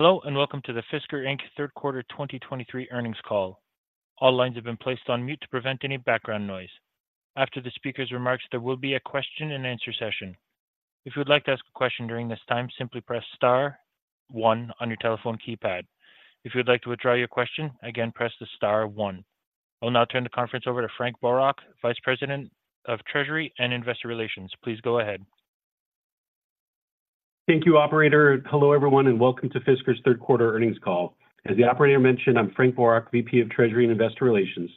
Hello, and welcome to the Fisker Inc. third quarter 2023 earnings call. All lines have been placed on mute to prevent any background noise. After the speaker's remarks, there will be a question-and-answer session. If you would like to ask a question during this time, simply press star one on your telephone keypad. If you'd like to withdraw your question, again, press the star one. I'll now turn the conference over to Frank Boroch, Vice President of Treasury and Investor Relations. Please go ahead. Thank you, operator, and hello, everyone, and welcome to Fisker's third quarter earnings call. As the operator mentioned, I'm Frank Boroch, VP of Treasury and Investor Relations.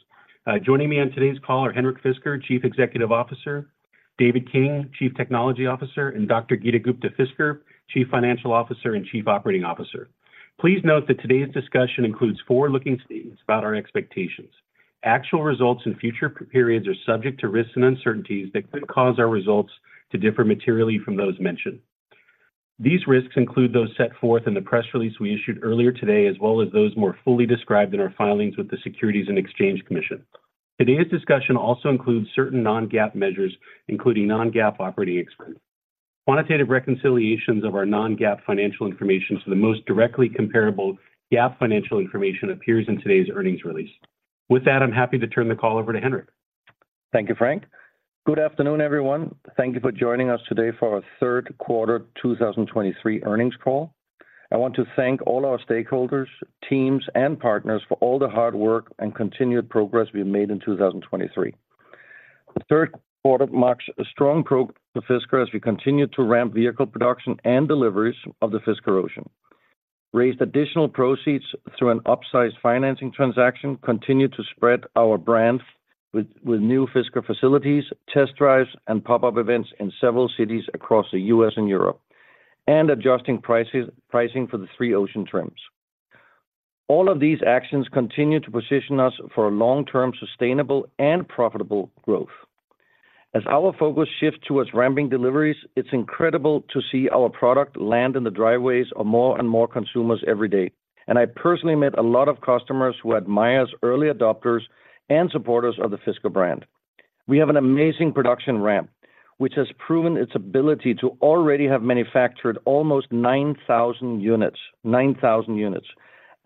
Joining me on today's call are Henrik Fisker, Chief Executive Officer; David King, Chief Technology Officer; and Dr. Geeta Gupta-Fisker, Chief Financial Officer and Chief Operating Officer. Please note that today's discussion includes forward-looking statements about our expectations. Actual results in future periods are subject to risks and uncertainties that could cause our results to differ materially from those mentioned. These risks include those set forth in the press release we issued earlier today, as well as those more fully described in our filings with the Securities and Exchange Commission. Today's discussion also includes certain non-GAAP measures, including non-GAAP operating expense. Quantitative reconciliations of our non-GAAP financial information to the most directly comparable GAAP financial information appear in today's earnings release. With that, I'm happy to turn the call over to Henrik. Thank you, Frank. Good afternoon, everyone. Thank you for joining us today for our third quarter 2023 earnings call. I want to thank all our stakeholders, teams, and partners for all the hard work and continued progress we've made in 2023. The third quarter marks a strong progress for Fisker as we continue to ramp vehicle production and deliveries of the Fisker Ocean, raised additional proceeds through an upsized financing transaction, continued to spread our brands with new Fisker facilities, test drives, and pop-up events in several cities across the U.S. and Europe, and adjusting pricing for the three Ocean trims. All of these actions continue to position us for a long-term, sustainable, and profitable growth. As our focus shifts towards ramping deliveries, it's incredible to see our product land in the driveways of more and more consumers every day. I personally met a lot of customers who I admire as early adopters and supporters of the Fisker brand. We have an amazing production ramp, which has proven its ability to already have manufactured almost 9,000 units. 9,000 units,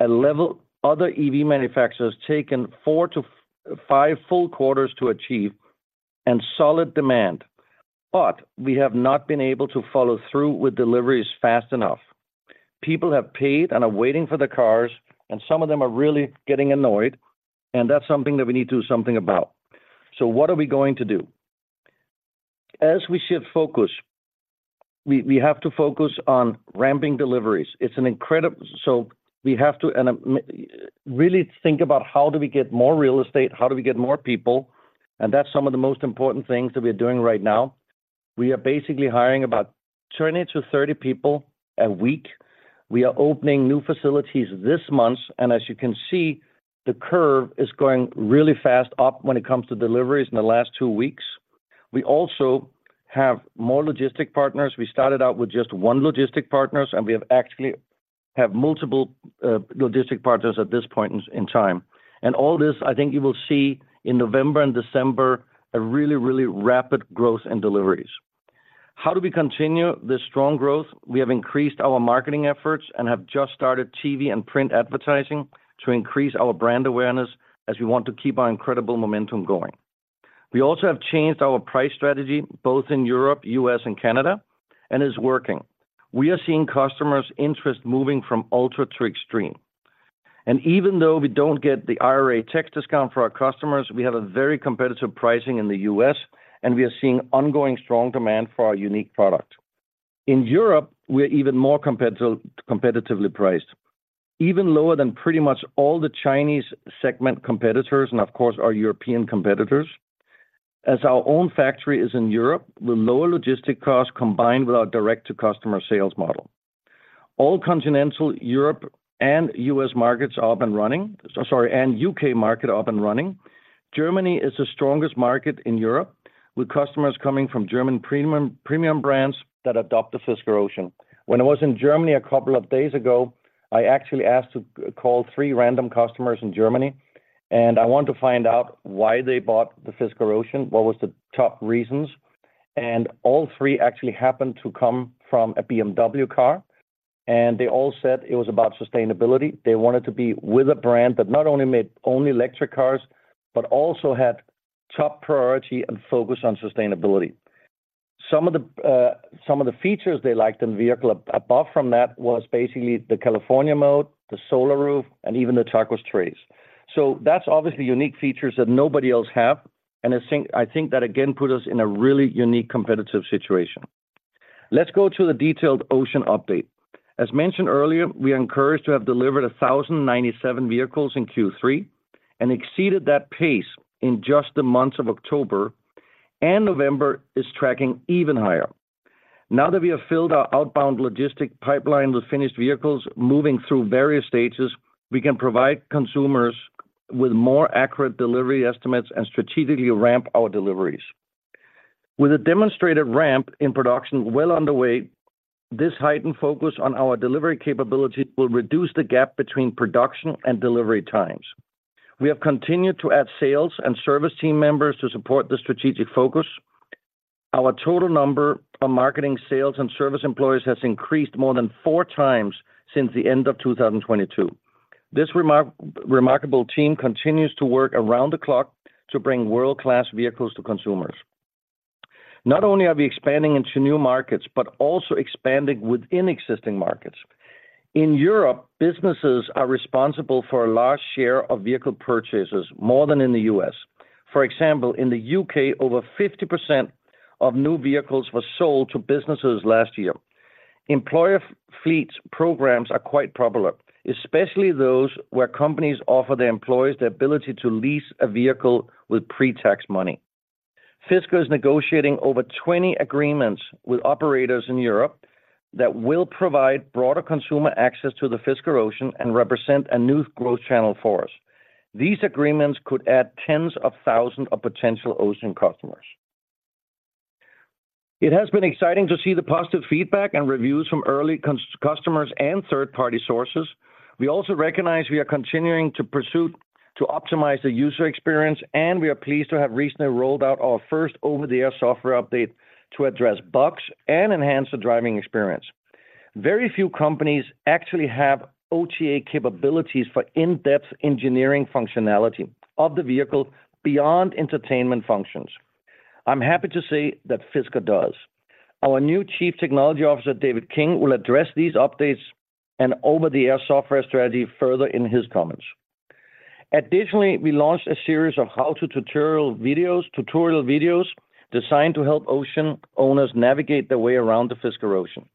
a level other EV manufacturers taken four to five full quarters to achieve and solid demand, but we have not been able to follow through with deliveries fast enough. People have paid and are waiting for the cars, and some of them are really getting annoyed, and that's something that we need to do something about. So what are we going to do? As we shift focus, we have to focus on ramping deliveries. It's incredible, so we have to really think about how do we get more real estate, how do we get more people, and that's some of the most important things that we are doing right now. We are basically hiring about 20 to 30 people a week. We are opening new facilities this month, and as you can see, the curve is going really fast up when it comes to deliveries in the last two weeks. We also have more logistics partners. We started out with just one logistics partner, and we actually have multiple logistics partners at this point in time. And all this, I think you will see in November and December, a really, really rapid growth in deliveries. How do we continue this strong growth? We have increased our marketing efforts and have just started TV and print advertising to increase our brand awareness as we want to keep our incredible momentum going. We also have changed our price strategy, both in Europe, U.S., and Canada, and it's working. We are seeing customers' interest moving from Ultra and Extreme. And even though we don't get the IRA tax discount for our customers, we have a very competitive pricing in the U.S., and we are seeing ongoing strong demand for our unique product. In Europe, we're even more competitive- competitively priced, even lower than pretty much all the Chinese segment competitors, and of course, our European competitors. As our own factory is in Europe, with lower logistic costs combined with our direct-to-customer sales model. All Continental Europe and U.S. markets are up and running, so sorry, and U.K. market are up and running. Germany is the strongest market in Europe, with customers coming from German premium, premium brands that adopt the Fisker Ocean. When I was in Germany a couple of days ago, I actually asked to call three random customers in Germany, and I want to find out why they bought the Fisker Ocean, what was the top reasons. And all three actually happened to come from a BMW car, and they all said it was about sustainability. They wanted to be with a brand that not only made only electric cars, but also had top priority and focus on sustainability. Some of the, some of the features they liked in the vehicle above from that was basically the California Mode, the solar roof, and even the Taco Trays. So that's obviously unique features that nobody else have, and I think, I think that again, put us in a really unique competitive situation. Let's go to the detailed Ocean update. As mentioned earlier, we are encouraged to have delivered 1,097 vehicles in Q3 and exceeded that pace in just the months of October and November is tracking even higher. Now that we have filled our outbound logistic pipeline with finished vehicles moving through various stages, we can provide consumers with more accurate delivery estimates and strategically ramp our deliveries. With a demonstrated ramp in production well underway, this heightened focus on our delivery capabilities will reduce the gap between production and delivery times. We have continued to add sales and service team members to support the strategic focus... Our total number of marketing, sales, and service employees has increased more than 4 times since the end of 2022. This remarkable team continues to work around the clock to bring world-class vehicles to consumers. Not only are we expanding into new markets, but also expanding within existing markets. In Europe, businesses are responsible for a large share of vehicle purchases, more than in the U.S. For example, in the U.K., over 50% of new vehicles were sold to businesses last year. Employer fleets programs are quite popular, especially those where companies offer their employees the ability to lease a vehicle with pre-tax money. Fisker is negotiating over 20 agreements with operators in Europe that will provide broader consumer access to the Fisker Ocean and represent a new growth channel for us. These agreements could add tens of thousands of potential Ocean customers. It has been exciting to see the positive feedback and reviews from early customers and third-party sources. We also recognize we are continuing to pursue to optimize the user experience, and we are pleased to have recently rolled out our first over-the-air software update to address bugs and enhance the driving experience. Very few companies actually have OTA capabilities for in-depth engineering functionality of the vehicle beyond entertainment functions. I'm happy to say that Fisker does. Our new Chief Technology Officer, David King, will address these updates and over-the-air software strategy further in his comments. Additionally, we launched a series of how-to tutorial videos designed to help Ocean owners navigate their way around the Fisker Ocean.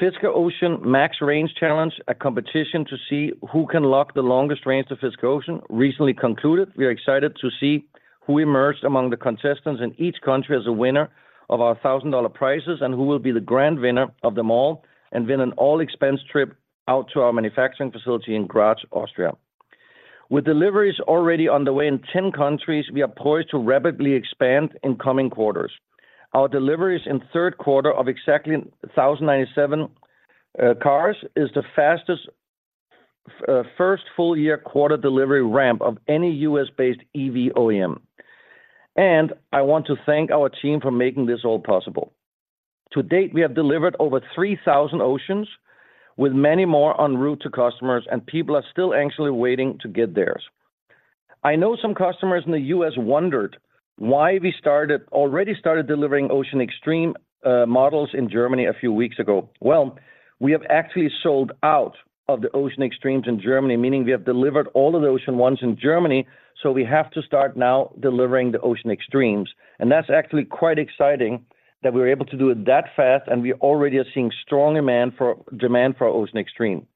Fisker Ocean Max Range Challenge, a competition to see who can lock the longest range of Fisker Ocean, recently concluded. We are excited to see who emerged among the contestants in each country as a winner of our $1,000 prizes, and who will be the grand winner of them all and win an all-expense trip out to our manufacturing facility in Graz, Austria. With deliveries already on the way in 10 countries, we are poised to rapidly expand in coming quarters. Our deliveries in third quarter of exactly 1,097 cars is the fastest first full-year quarter delivery ramp of any U.S.-based EV OEM. I want to thank our team for making this all possible. To date, we have delivered over 3,000 Oceans, with many more en route to customers, and people are still anxiously waiting to get theirs. I know some customers in the U.S. wondered why we already started delivering Ocean Extreme models in Germany a few weeks ago. Well, we have actually sold out of the Ocean Extremes in Germany, meaning we have delivered all of the Ocean Ones in Germany, so we have to start now delivering the Ocean Extremes, and that's actually quite exciting that we're able to do it that fast, and we already are seeing strong demand for, demand for Ocean Extreme.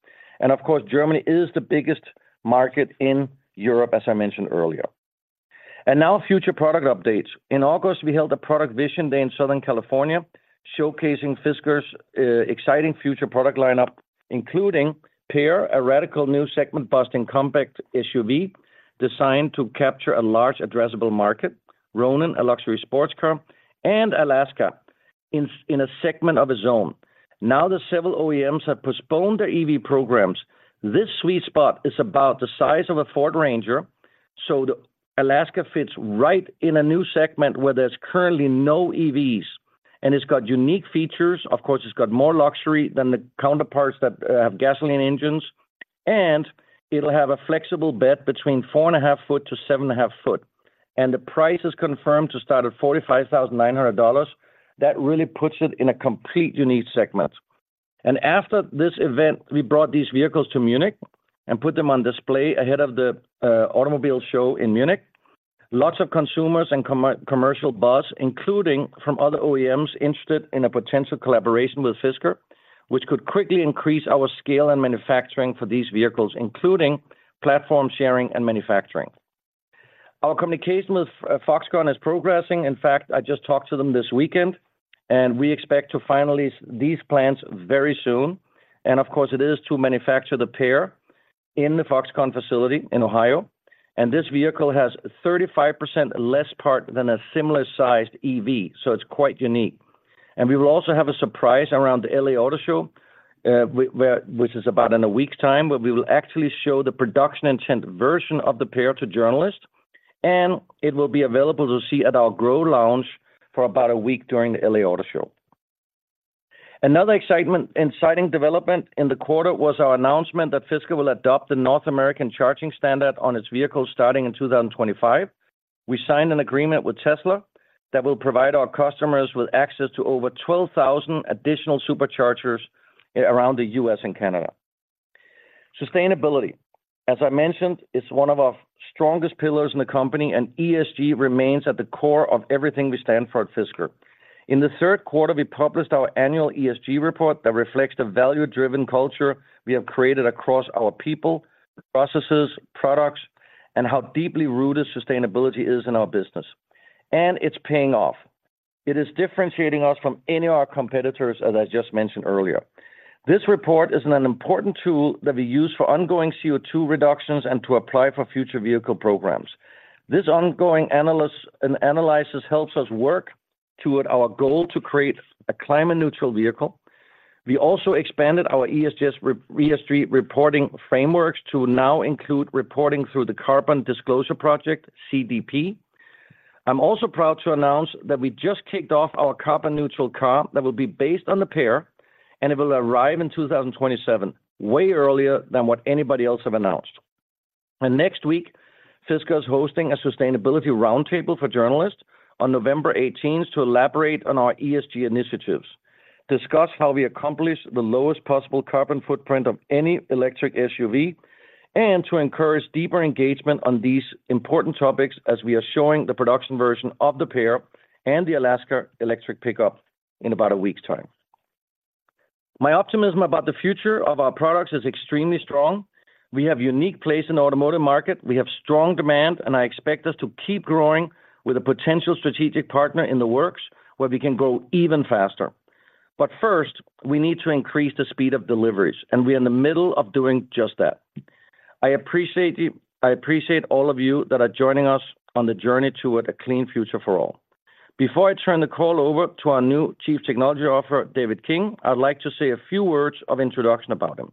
And of course, Germany is the biggest market in Europe, as I mentioned earlier. And now, future product updates. In August, we held a Product Vision Day in Southern California, showcasing Fisker's exciting future product lineup, including PEAR, a radical new segment-busting compact SUV designed to capture a large addressable market; Rōnin, a luxury sports car; and Alaska, in a segment of its own. Now that several OEMs have postponed their EV programs, this sweet spot is about the size of a Ford Ranger, so the Alaska fits right in a new segment where there's currently no EVs, and it's got unique features. Of course, it's got more luxury than the counterparts that have gasoline engines, and it'll have a flexible bed between 4.5 feet to 7.5 feet. The price is confirmed to start at $45,900. That really puts it in a complete unique segment. After this event, we brought these vehicles to Munich and put them on display ahead of the automobile show in Munich. Lots of consumers and commercial buyers, including from other OEMs interested in a potential collaboration with Fisker, which could quickly increase our scale and manufacturing for these vehicles, including platform sharing and manufacturing. Our communication with Foxconn is progressing. In fact, I just talked to them this weekend, and we expect to finalize these plans very soon. And of course, it is to manufacture the PEAR in the Foxconn facility in Ohio, and this vehicle has 35% less part than a similar-sized EV, so it's quite unique. And we will also have a surprise around the L.A. Auto Show, which is about in a week's time, where we will actually show the production intent version of the PEAR to journalists, and it will be available to see at our Grove Lounge for about a week during the L.A. Auto Show. Another exciting development in the quarter was our announcement that Fisker will adopt the North American Charging Standard on its vehicles starting in 2025. We signed an agreement with Tesla that will provide our customers with access to over 12,000 additional Superchargers around the U.S. and Canada. Sustainability, as I mentioned, is one of our strongest pillars in the company, and ESG remains at the core of everything we stand for at Fisker. In the third quarter, we published our annual ESG report that reflects the value-driven culture we have created across our people, processes, products, and how deeply rooted sustainability is in our business, and it's paying off. It is differentiating us from any of our competitors, as I just mentioned earlier. This report is an important tool that we use for ongoing CO2 reductions and to apply for future vehicle programs. This ongoing analysis helps us work toward our goal to create a climate-neutral vehicle.... We also expanded our ESG ESG reporting frameworks to now include reporting through the Carbon Disclosure Project, CDP. I'm also proud to announce that we just kicked off our carbon neutral car that will be based on the PEAR, and it will arrive in 2027, way earlier than what anybody else have announced. Next week, Fisker is hosting a sustainability roundtable for journalists on November eighteenth to elaborate on our ESG initiatives, discuss how we accomplish the lowest possible carbon footprint of any electric SUV, and to encourage deeper engagement on these important topics as we are showing the production version of the PEAR and the Alaska electric pickup in about a week's time. My optimism about the future of our products is extremely strong. We have unique place in the automotive market. We have strong demand, and I expect us to keep growing with a potential strategic partner in the works, where we can grow even faster. But first, we need to increase the speed of deliveries, and we are in the middle of doing just that. I appreciate you- I appreciate all of you that are joining us on the journey toward a clean future for all. Before I turn the call over to our new Chief Technology Officer, David King, I'd like to say a few words of introduction about him.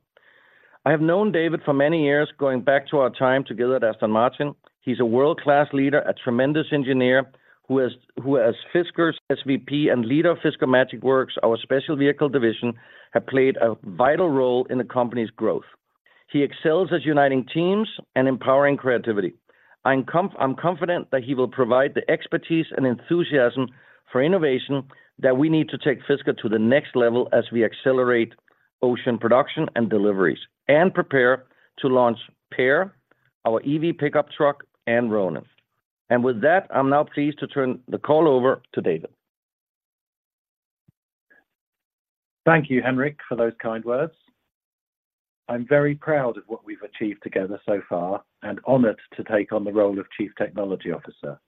I have known David for many years, going back to our time together at Aston Martin. He's a world-class leader, a tremendous engineer, who has, who as Fisker's SVP and leader of Fisker Magic Works, our special vehicle division, have played a vital role in the company's growth. He excels as uniting teams and empowering creativity. I'm confident that he will provide the expertise and enthusiasm for innovation that we need to take Fisker to the next level as we accelerate Ocean production and deliveries, and prepare to launch PEAR, our EV pickup truck, and Rōnin. With that, I'm now pleased to turn the call over to David. Thank you, Henrik, for those kind words. I'm very proud of what we've achieved together so far, and honored to take on the role of Chief Technology Officer.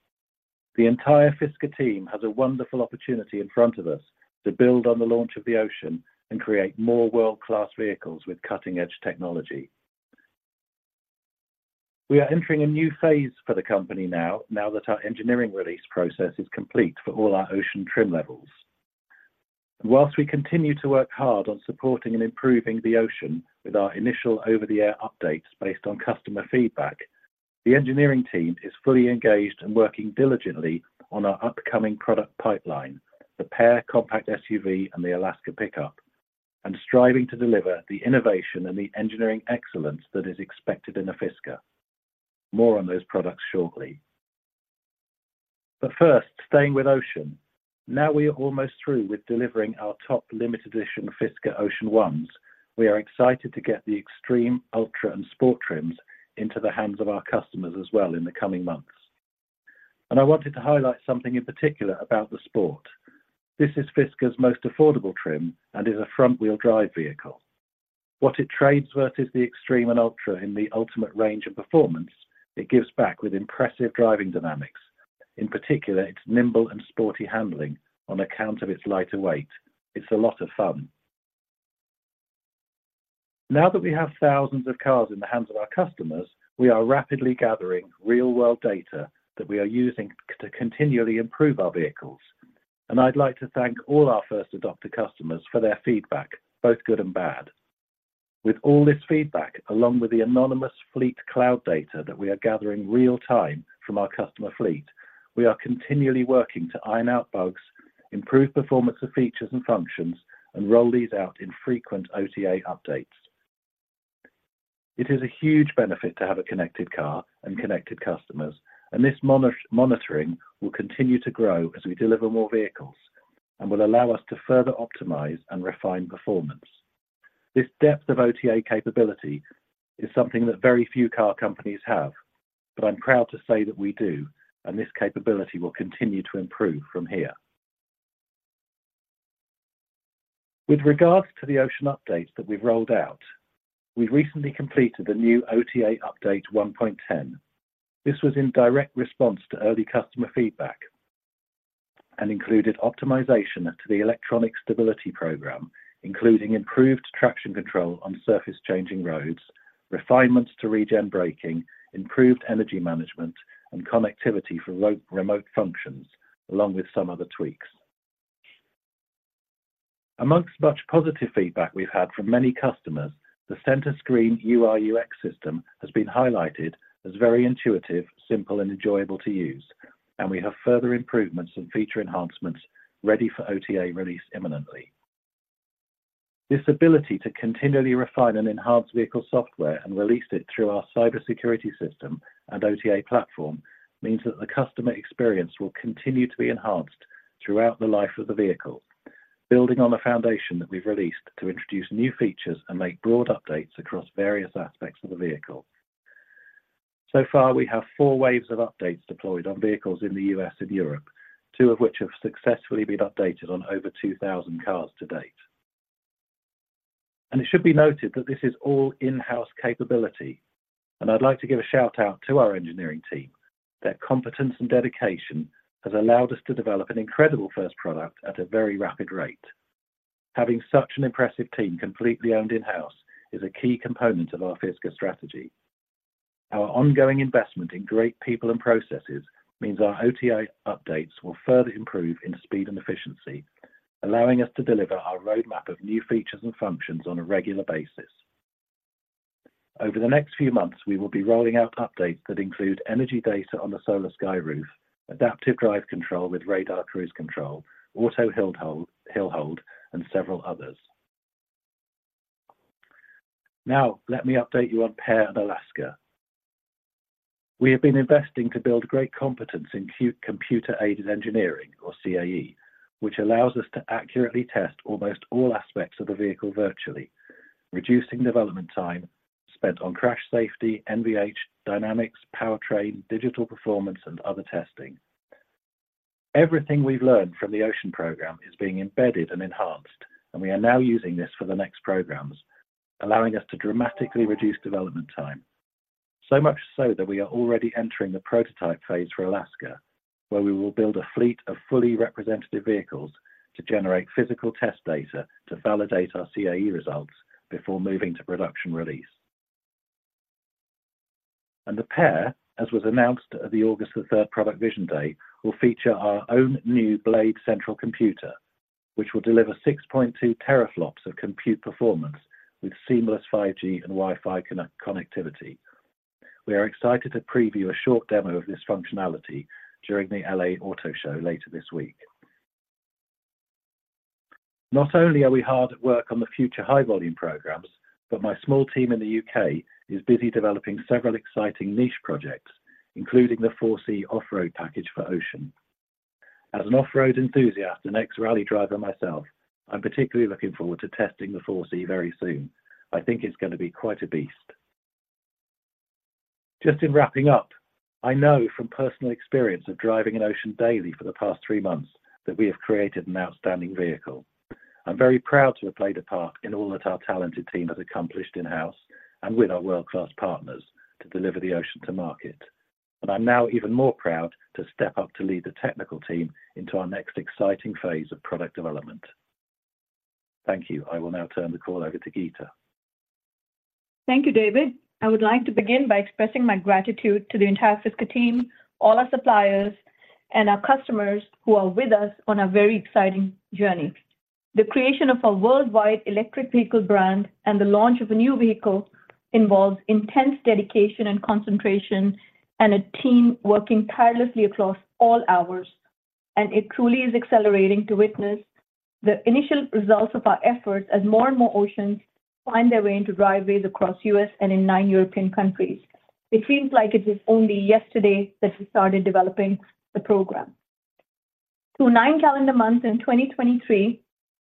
The entire Fisker team has a wonderful opportunity in front of us to build on the launch of the Ocean and create more world-class vehicles with cutting-edge technology. We are entering a new phase for the company now, now that our engineering release process is complete for all our Ocean trim levels. While we continue to work hard on supporting and improving the Ocean with our initial over-the-air updates based on customer feedback, the engineering team is fully engaged and working diligently on our upcoming product pipeline, the PEAR compact SUV and the Alaska pickup, and striving to deliver the innovation and the engineering excellence that is expected in a Fisker. More on those products shortly. But first, staying with Ocean. Now we are almost through with delivering our top limited edition Fisker Ocean Ones. We are excited to get the Extreme, Ultra, and Sport trims into the hands of our customers as well in the coming months. And I wanted to highlight something in particular about the Sport. This is Fisker's most affordable trim and is a front-wheel drive vehicle. What it trades versus the Extreme and Ultra in the ultimate range of performance, it gives back with impressive driving dynamics, in particular, its nimble and sporty handling on account of its lighter weight. It's a lot of fun. Now that we have thousands of cars in the hands of our customers, we are rapidly gathering real-world data that we are using to continually improve our vehicles. And I'd like to thank all our first adopter customers for their feedback, both good and bad. With all this feedback, along with the anonymous fleet cloud data that we are gathering real time from our customer fleet, we are continually working to iron out bugs, improve performance of features and functions, and roll these out in frequent OTA updates. It is a huge benefit to have a connected car and connected customers, and this monitoring will continue to grow as we deliver more vehicles, and will allow us to further optimize and refine performance. This depth of OTA capability is something that very few car companies have, but I'm proud to say that we do, and this capability will continue to improve from here. With regards to the Ocean updates that we've rolled out, we've recently completed the new OTA update, 1.10. This was in direct response to early customer feedback and included optimization to the electronic stability program, including improved traction control on surface-changing roads, refinements to regen braking, improved energy management, and connectivity for remote functions, along with some other tweaks. Among much positive feedback we've had from many customers, the center screen UI/UX system has been highlighted as very intuitive, simple, and enjoyable to use, and we have further improvements and feature enhancements ready for OTA release imminently. This ability to continually refine and enhance vehicle software and release it through our cybersecurity system and OTA platform means that the customer experience will continue to be enhanced throughout the life of the vehicle, building on the foundation that we've released to introduce new features and make broad updates across various aspects of the vehicle. So far, we have four waves of updates deployed on vehicles in the U.S. and Europe, two of which have successfully been updated on over 2,000 cars to date. It should be noted that this is all in-house capability, and I'd like to give a shout-out to our engineering team. Their competence and dedication has allowed us to develop an incredible first product at a very rapid rate. Having such an impressive team completely owned in-house is a key component of our Fisker strategy. Our ongoing investment in great people and processes means our OTA updates will further improve in speed and efficiency, allowing us to deliver our roadmap of new features and functions on a regular basis. Over the next few months, we will be rolling out updates that include energy data on the SolarSky roof, adaptive drive control with radar cruise control, auto hill hold, hill hold, and several others. Now, let me update you on PEAR and Alaska. We have been investing to build great competence in computer-aided engineering, or CAE, which allows us to accurately test almost all aspects of the vehicle virtually, reducing development time spent on crash safety, NVH, dynamics, powertrain, digital performance, and other testing. Everything we've learned from the Ocean program is being embedded and enhanced, and we are now using this for the next programs, allowing us to dramatically reduce development time. So much so that we are already entering the prototype phase for Alaska, where we will build a fleet of fully representative vehicles to generate physical test data to validate our CAE results before moving to production release. And the PEAR, as was announced at the August 3 Product Vision Day, will feature our own new Blade central computer, which will deliver 6.2 teraflops of compute performance with seamless 5G and Wi-Fi connectivity. We are excited to preview a short demo of this functionality during the L.A. Auto Show later this week. Not only are we hard at work on the future high-volume programs, but my small team in the U.K. is busy developing several exciting niche projects, including the Force-E off-road package for Ocean. As an off-road enthusiast and ex-rally driver myself, I'm particularly looking forward to testing the Force-E very soon. I think it's gonna be quite a beast. Just in wrapping up, I know from personal experience of driving an Ocean daily for the past three months, that we have created an outstanding vehicle. I'm very proud to have played a part in all that our talented team has accomplished in-house and with our world-class partners to deliver the Ocean to market. And I'm now even more proud to step up to lead the technical team into our next exciting phase of product development. Thank you. I will now turn the call over to Geeta. Thank you, David. I would like to begin by expressing my gratitude to the entire Fisker team, all our suppliers, and our customers who are with us on a very exciting journey. The creation of a worldwide electric vehicle brand and the launch of a new vehicle involves intense dedication and concentration, and a team working tirelessly across all hours, and it truly is accelerating to witness the initial results of our efforts as more and more Oceans find their way into driveways across U.S. and in nine European countries. It seems like it was only yesterday that we started developing the program. Through nine calendar months in 2023,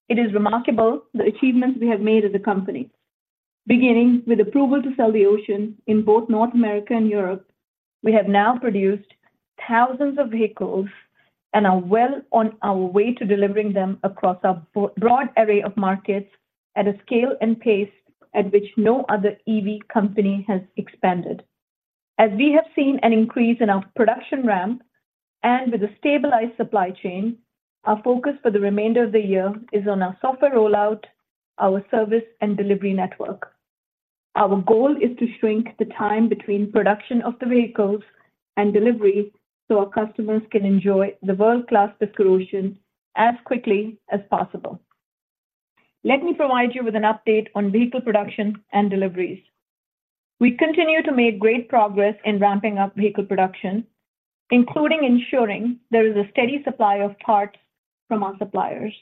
it is remarkable the achievements we have made as a company. Beginning with approval to sell the Ocean in both North America and Europe, we have now produced thousands of vehicles and are well on our way to delivering them across a broad array of markets at a scale and pace at which no other EV company has expanded. As we have seen an increase in our production ramp and with a stabilized supply chain, our focus for the remainder of the year is on our software rollout, our service and delivery network. Our goal is to shrink the time between production of the vehicles and delivery, so our customers can enjoy the world-class Fisker Ocean as quickly as possible. Let me provide you with an update on vehicle production and deliveries. We continue to make great progress in ramping up vehicle production, including ensuring there is a steady supply of parts from our suppliers,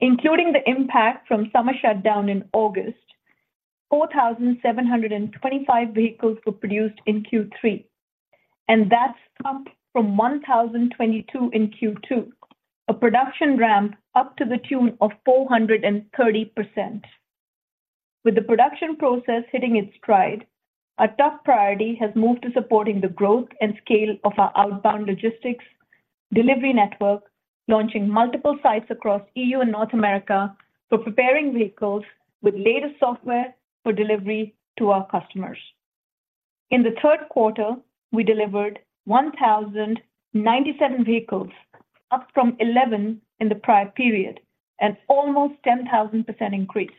including the impact from summer shutdown in August. 4,725 vehicles were produced in Q3, and that's up from 1,022 in Q2, a production ramp up to the tune of 430%. With the production process hitting its stride, our top priority has moved to supporting the growth and scale of our outbound logistics delivery network, launching multiple sites across EU and North America for preparing vehicles with latest software for delivery to our customers. In the third quarter, we delivered 1,097 vehicles, up from 11 in the prior period, an almost 10,000% increase.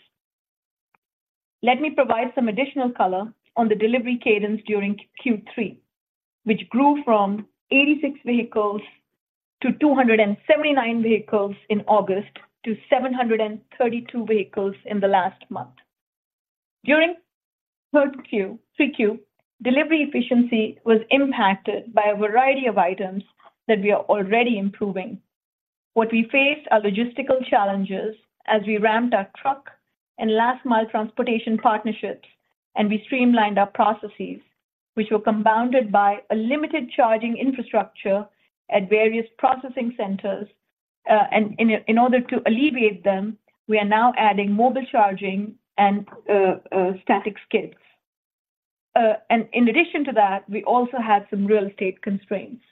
Let me provide some additional color on the delivery cadence during Q3, which grew from 86 vehicles to 279 vehicles in August to 732 vehicles in the last month. During Q3, delivery efficiency was impacted by a variety of items that we are already improving. What we faced are logistical challenges as we ramped our truck and last mile transportation partnerships, and we streamlined our processes, which were compounded by a limited charging infrastructure at various processing centers. In order to alleviate them, we are now adding mobile charging and static skids. In addition to that, we also have some real estate constraints.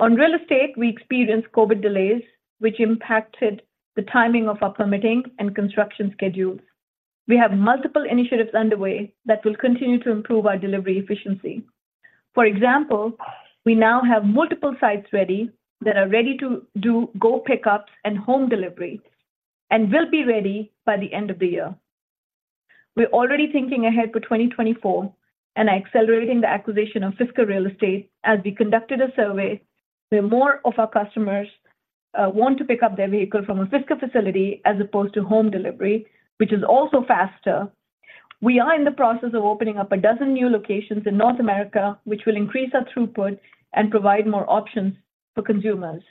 On real estate, we experienced COVID delays, which impacted the timing of our permitting and construction schedules. We have multiple initiatives underway that will continue to improve our delivery efficiency. For example, we now have multiple sites ready that are ready to do go pickups and home delivery, and will be ready by the end of the year. We're already thinking ahead for 2024 and are accelerating the acquisition of Fisker real estate as we conducted a survey, where more of our customers want to pick up their vehicle from a Fisker facility as opposed to home delivery, which is also faster. We are in the process of opening up a dozen new locations in North America, which will increase our throughput and provide more options for consumers.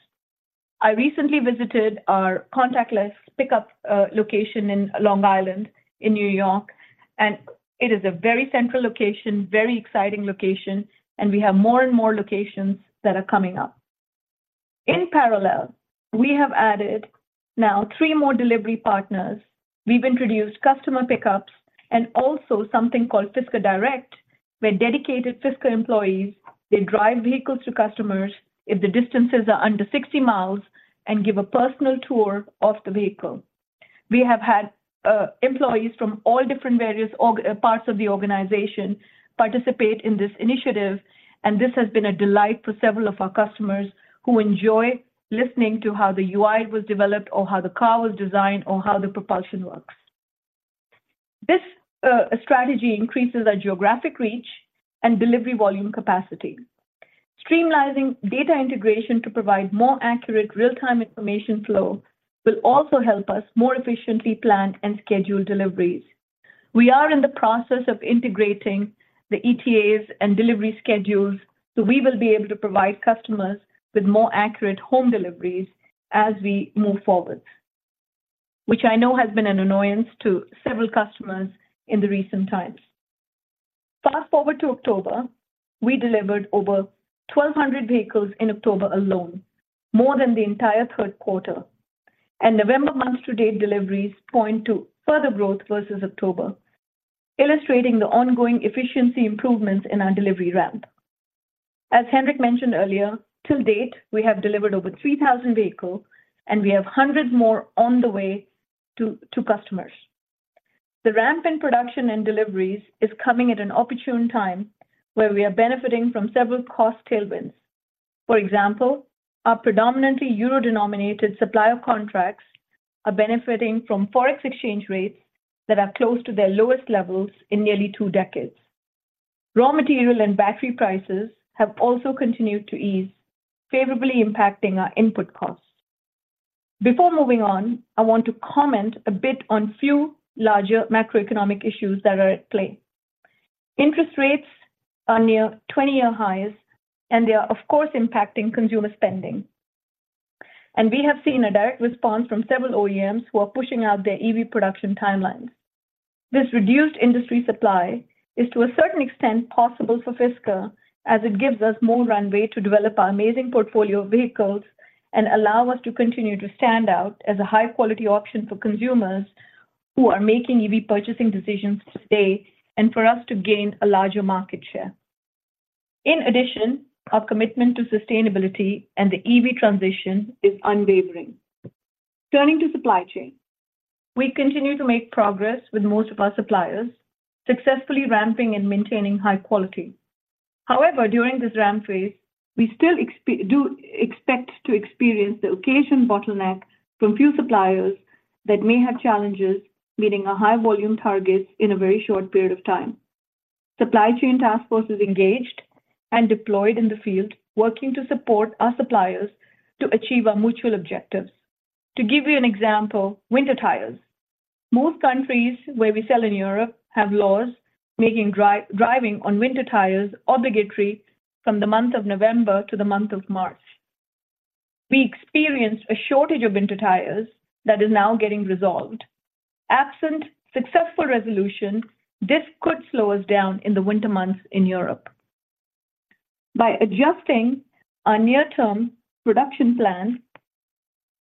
I recently visited our contactless pickup location in Long Island, New York, and it is a very central location, very exciting location, and we have more and more locations that are coming up. In parallel, we have added now three more delivery partners. We've introduced customer pickups and also something called Fisker Direct, where dedicated Fisker employees, they drive vehicles to customers if the distances are under 60 miles and give a personal tour of the vehicle. We have had employees from all different various parts of the organization participate in this initiative, and this has been a delight for several of our customers who enjoy listening to how the UI was developed or how the car was designed or how the propulsion works. This strategy increases our geographic reach and delivery volume capacity. Streamlining data integration to provide more accurate real-time information flow will also help us more efficiently plan and schedule deliveries. We are in the process of integrating the ETAs and delivery schedules, so we will be able to provide customers with more accurate home deliveries as we move forward, which I know has been an annoyance to several customers in the recent times. Fast forward to October, we delivered over 1,200 vehicles in October alone, more than the entire third quarter, and November month-to-date deliveries point to further growth versus October, illustrating the ongoing efficiency improvements in our delivery ramp. As Henrik mentioned earlier, to date, we have delivered over 3,000 vehicles, and we have hundreds more on the way to customers. The ramp in production and deliveries is coming at an opportune time, where we are benefiting from several cost tailwinds. For example, our predominantly euro-denominated supplier contracts are benefiting from Forex exchange rates that are close to their lowest levels in nearly two decades. Raw material and battery prices have also continued to ease, favorably impacting our input costs. Before moving on, I want to comment a bit on few larger macroeconomic issues that are at play. Interest rates are near 20-year highs, and they are, of course, impacting consumer spending. And we have seen a direct response from several OEMs who are pushing out their EV production timelines. This reduced industry supply is to a certain extent possible for Fisker, as it gives us more runway to develop our amazing portfolio of vehicles and allow us to continue to stand out as a high-quality option for consumers who are making EV purchasing decisions today, and for us to gain a larger market share. In addition, our commitment to sustainability and the EV transition is unwavering. Turning to supply chain. We continue to make progress with most of our suppliers, successfully ramping and maintaining high quality. However, during this ramp phase, we still do expect to experience the occasional bottleneck from few suppliers that may have challenges meeting our high volume targets in a very short period of time. Supply chain task force is engaged and deployed in the field, working to support our suppliers to achieve our mutual objectives. To give you an example, winter tires. Most countries where we sell in Europe have laws making driving on winter tires obligatory from the month of November to the month of March. We experienced a shortage of winter tires that is now getting resolved. Absent successful resolution, this could slow us down in the winter months in Europe. By adjusting our near-term production plan,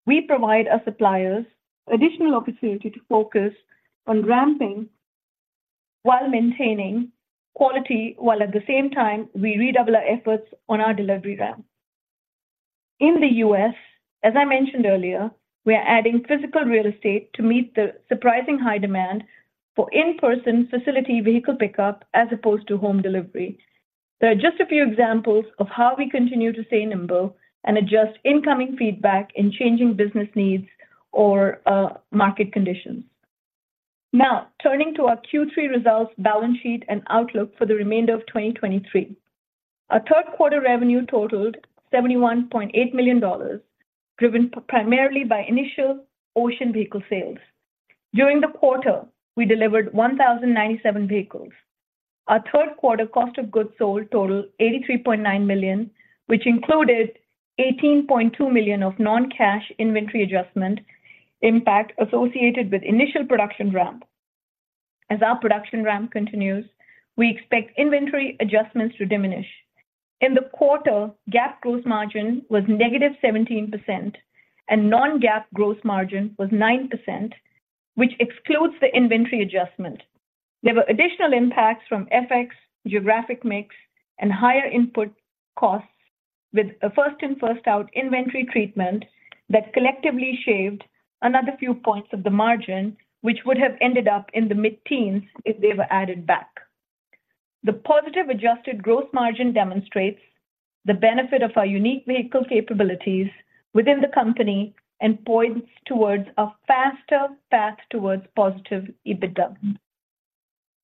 we provide our suppliers additional opportunity to focus on ramping while maintaining quality, while at the same time, we redouble our efforts on our delivery ramp. In the U.S., as I mentioned earlier, we are adding physical real estate to meet the surprising high demand for in-person facility vehicle pickup, as opposed to home delivery. They are just a few examples of how we continue to stay nimble and adjust incoming feedback in changing business needs or, market conditions. Now, turning to our Q3 results, balance sheet, and outlook for the remainder of 2023. Our third quarter revenue totaled $71.8 million, driven primarily by initial Ocean vehicle sales. During the quarter, we delivered 1,097 vehicles. Our third quarter cost of goods sold totaled $83.9 million, which included $18.2 million of non-cash inventory adjustment impact associated with initial production ramp. As our production ramp continues, we expect inventory adjustments to diminish. In the quarter, GAAP gross margin was -17%, and non-GAAP gross margin was 9%, which excludes the inventory adjustment. There were additional impacts from FX, geographic mix, and higher input costs with a first-in, first-out inventory treatment that collectively shaved another few points of the margin, which would have ended up in the mid-teens if they were added back. The positive adjusted gross margin demonstrates the benefit of our unique vehicle capabilities within the company and points toward a faster path toward positive EBITDA.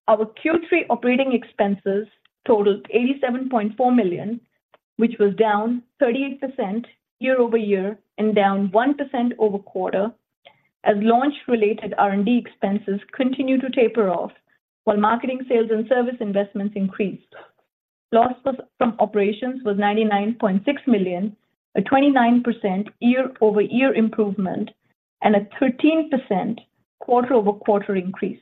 Our Q3 operating expenses totaled $87.4 million, which was down 38% year over year and down 1% over quarter, as launch-related R&D expenses continue to taper off, while marketing, sales, and service investments increased. Loss from operations was $99.6 million, a 29% year-over-year improvement, and a 13% quarter-over-quarter increase.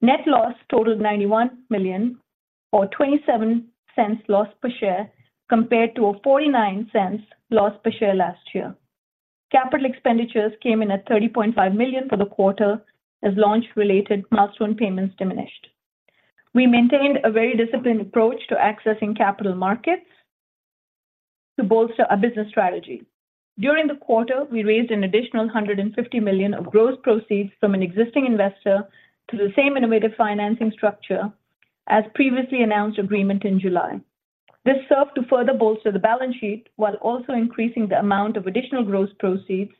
Net loss totaled $91 million, or $0.27 loss per share, compared to a $0.49 loss per share last year. Capital expenditures came in at $30.5 million for the quarter, as launch-related milestone payments diminished. We maintained a very disciplined approach to accessing capital markets to bolster our business strategy. During the quarter, we raised an additional $150 million of gross proceeds from an existing investor through the same innovative financing structure as previously announced agreement in July. This served to further bolster the balance sheet, while also increasing the amount of additional gross proceeds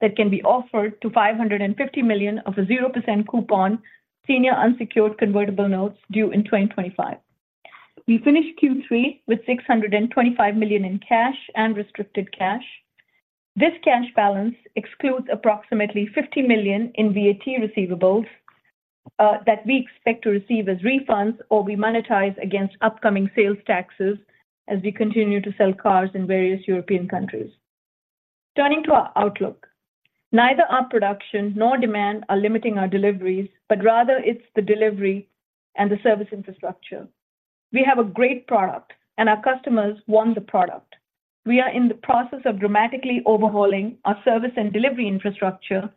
that can be offered to $550 million of a 0% coupon senior unsecured convertible notes due in 2025. We finished Q3 with $625 million in cash and restricted cash. This cash balance excludes approximately $50 million in VAT receivables that we expect to receive as refunds or we monetize against upcoming sales taxes as we continue to sell cars in various European countries. Turning to our outlook, neither our production nor demand are limiting our deliveries, but rather it's the delivery and the service infrastructure. We have a great product, and our customers want the product. We are in the process of dramatically overhauling our service and delivery infrastructure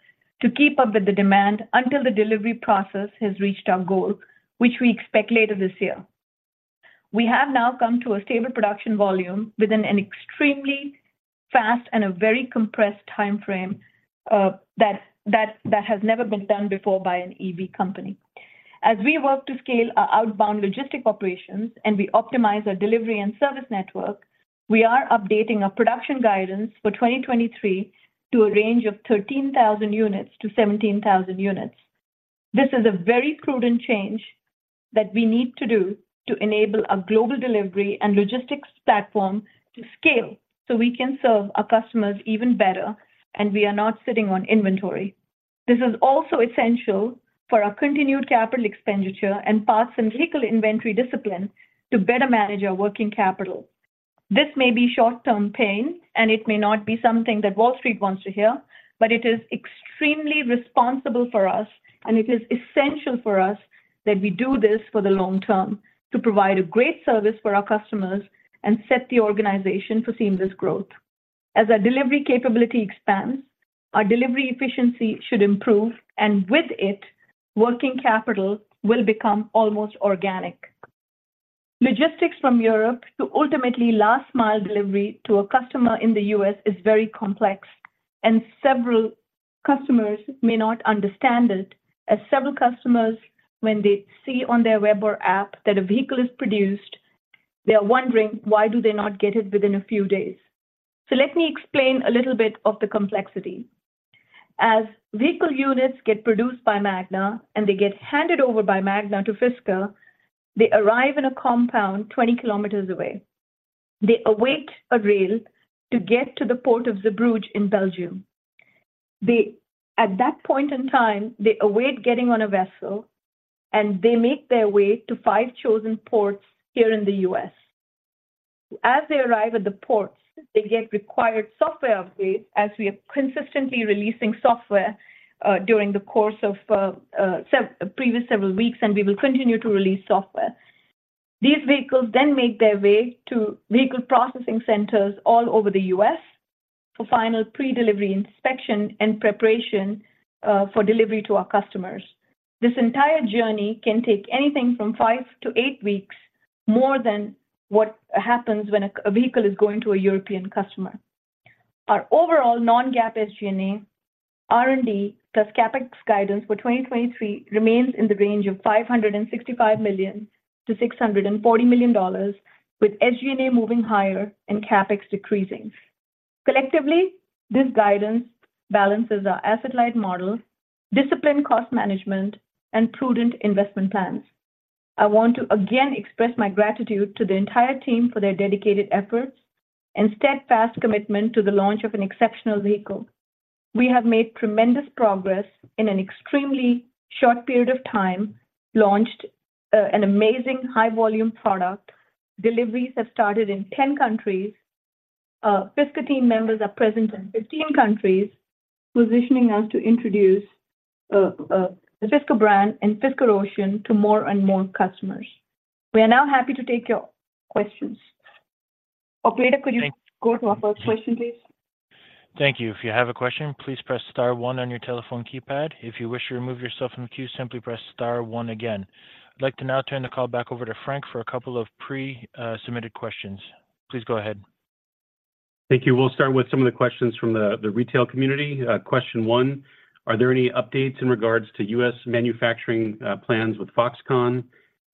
to keep up with the demand until the delivery process has reached our goal, which we expect later this year. We have now come to a stable production volume within an extremely fast and a very compressed timeframe that has never been done before by an EV company. As we work to scale our outbound logistic operations and we optimize our delivery and service network, we are updating our production guidance for 2023 to a range of 13,000 to 17,000 units. This is a very prudent change that we need to do to enable our global delivery and logistics platform to scale, so we can serve our customers even better, and we are not sitting on inventory. This is also essential for our continued capital expenditure and parts and vehicle inventory discipline to better manage our working capital. This may be short-term pain, and it may not be something that Wall Street wants to hear, but it is extremely responsible for us, and it is essential for us that we do this for the long term to provide a great service for our customers and set the organization for seamless growth. As our delivery capability expands, our delivery efficiency should improve, and with it, working capital will become almost organic. Logistics from Europe to ultimately last mile delivery to a customer in the U.S. is very complex, and several customers may not understand it, as several customers, when they see on their web or app that a vehicle is produced, they are wondering, why do they not get it within a few days? Let me explain a little bit of the complexity. As vehicle units get produced by Magna, and they get handed over by Magna to Fisker, they arrive in a compound 20 km away. They await a rail to get to the port of Zeebrugge in Belgium. At that point in time, they await getting on a vessel, and they make their way to five chosen ports here in the U.S. As they arrive at the ports, they get required software updates, as we are consistently releasing software during the course of previous several weeks, and we will continue to release software. These vehicles then make their way to vehicle processing centers all over the U.S. for final pre-delivery inspection and preparation for delivery to our customers. This entire journey can take anything from five to eight weeks, more than what happens when a vehicle is going to a European customer. Our overall non-GAAP SG&A, R&D, plus CapEx guidance for 2023 remains in the range of $565 million to $640 million, with SG&A moving higher and CapEx decreasing. Collectively, this guidance balances our asset-light model, disciplined cost management, and prudent investment plans. I want to again express my gratitude to the entire team for their dedicated efforts and steadfast commitment to the launch of an exceptional vehicle. We have made tremendous progress in an extremely short period of time, launched an amazing high-volume product. Deliveries have started in 10 countries. Fisker team members are present in 15 countries, positioning us to introduce the Fisker brand and Fisker Ocean to more and more customers. We are now happy to take your questions. Operator, could you go to our first question, please? Thank you. If you have a question, please press star one on your telephone keypad. If you wish to remove yourself from the queue, simply press star one again. I'd like to now turn the call back over to Frank for a couple of pre, submitted questions. Please go ahead. Thank you. We'll start with some of the questions from the retail community. Question one, are there any updates in regards to U.S. manufacturing plans with Foxconn?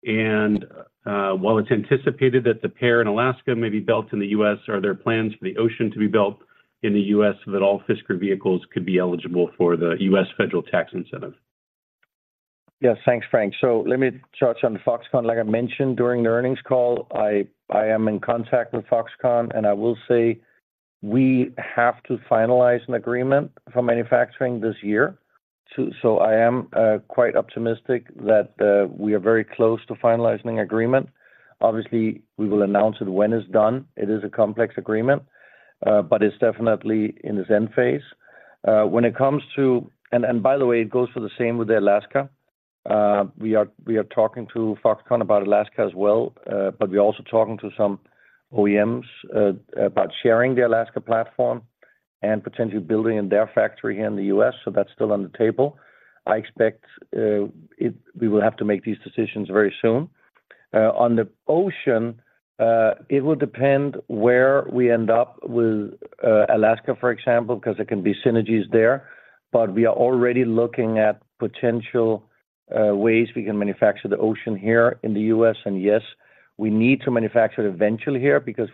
And, while it's anticipated that the PEAR in Alaska may be built in the U.S., are there plans for the Ocean to be built in the U.S., so that all Fisker vehicles could be eligible for the U.S. federal tax incentive? Yes, thanks, Frank. So let me touch on Foxconn. Like I mentioned during the earnings call, I am in contact with Foxconn, and I will say we have to finalize an agreement for manufacturing this year. So I am quite optimistic that we are very close to finalizing an agreement. Obviously, we will announce it when it's done. It is a complex agreement, but it's definitely in the end phase. When it comes to and by the way, it goes for the same with the Alaska. We are talking to Foxconn about Alaska as well, but we're also talking to some OEMs about sharing the Alaska platform and potentially building in their factory here in the U.S. So that's still on the table. I expect it we will have to make these decisions very soon. On the Ocean, it will depend where we end up with Alaska, for example, because there can be synergies there. But we are already looking at potential ways we can manufacture the Ocean here in the U.S. And yes, we need to manufacture it eventually here because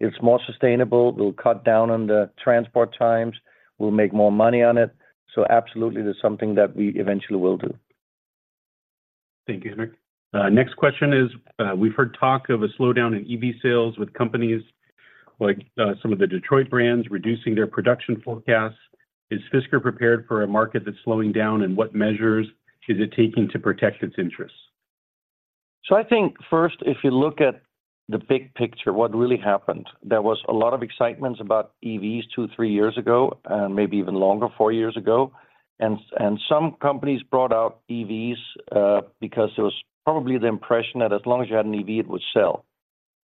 it's more sustainable, we'll cut down on the transport times, we'll make more money on it. So absolutely, that's something that we eventually will do. Thank you, Henrik. Next question is, we've heard talk of a slowdown in EV sales with companies like, some of the Detroit brands reducing their production forecasts. Is Fisker prepared for a market that's slowing down, and what measures is it taking to protect its interests? So I think first, if you look at the big picture, what really happened, there was a lot of excitements about EVs two, three years ago, and maybe even longer, four years ago. And some companies brought out EVs, because there was probably the impression that as long as you had an EV, it would sell.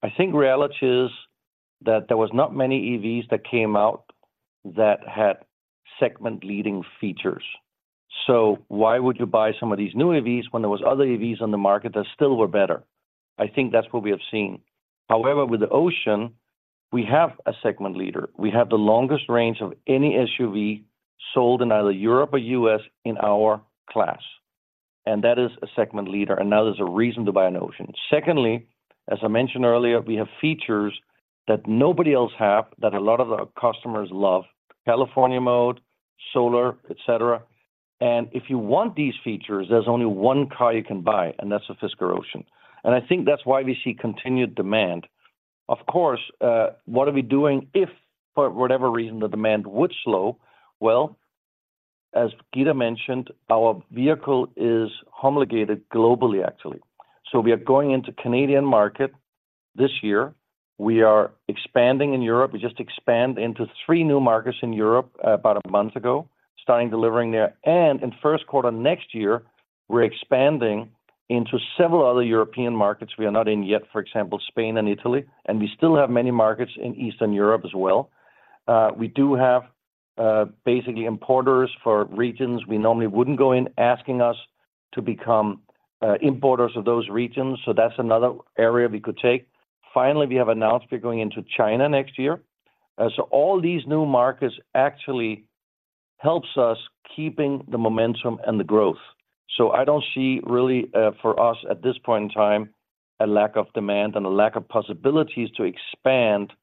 I think reality is that there was not many EVs that came out that had segment-leading features. So why would you buy some of these new EVs when there was other EVs on the market that still were better? I think that's what we have seen. However, with the Ocean, we have a segment leader. We have the longest range of any SUV sold in either Europe or U.S. in our class, and that is a segment leader, and now there's a reason to buy an Ocean. Secondly, as I mentioned earlier, we have features that nobody else have, that a lot of the customers love: California Mode, solar, et cetera. And if you want these features, there's only one car you can buy, and that's a Fisker Ocean. And I think that's why we see continued demand. Of course, what are we doing if for whatever reason, the demand would slow? Well, as Geeta mentioned, our vehicle is homologated globally, actually. So we are going into Canadian market this year. We are expanding in Europe. We just expand into three new markets in Europe about a month ago, starting delivering there. And in first quarter next year, we're expanding into several other European markets we are not in yet, for example, Spain and Italy, and we still have many markets in Eastern Europe as well. We do have, basically importers for regions we normally wouldn't go in, asking us to become importers of those regions. So that's another area we could take. Finally, we have announced we're going into China next year. So all these new markets actually helps us keeping the momentum and the growth. So I don't see really, for us at this point in time, a lack of demand and a lack of possibilities to expand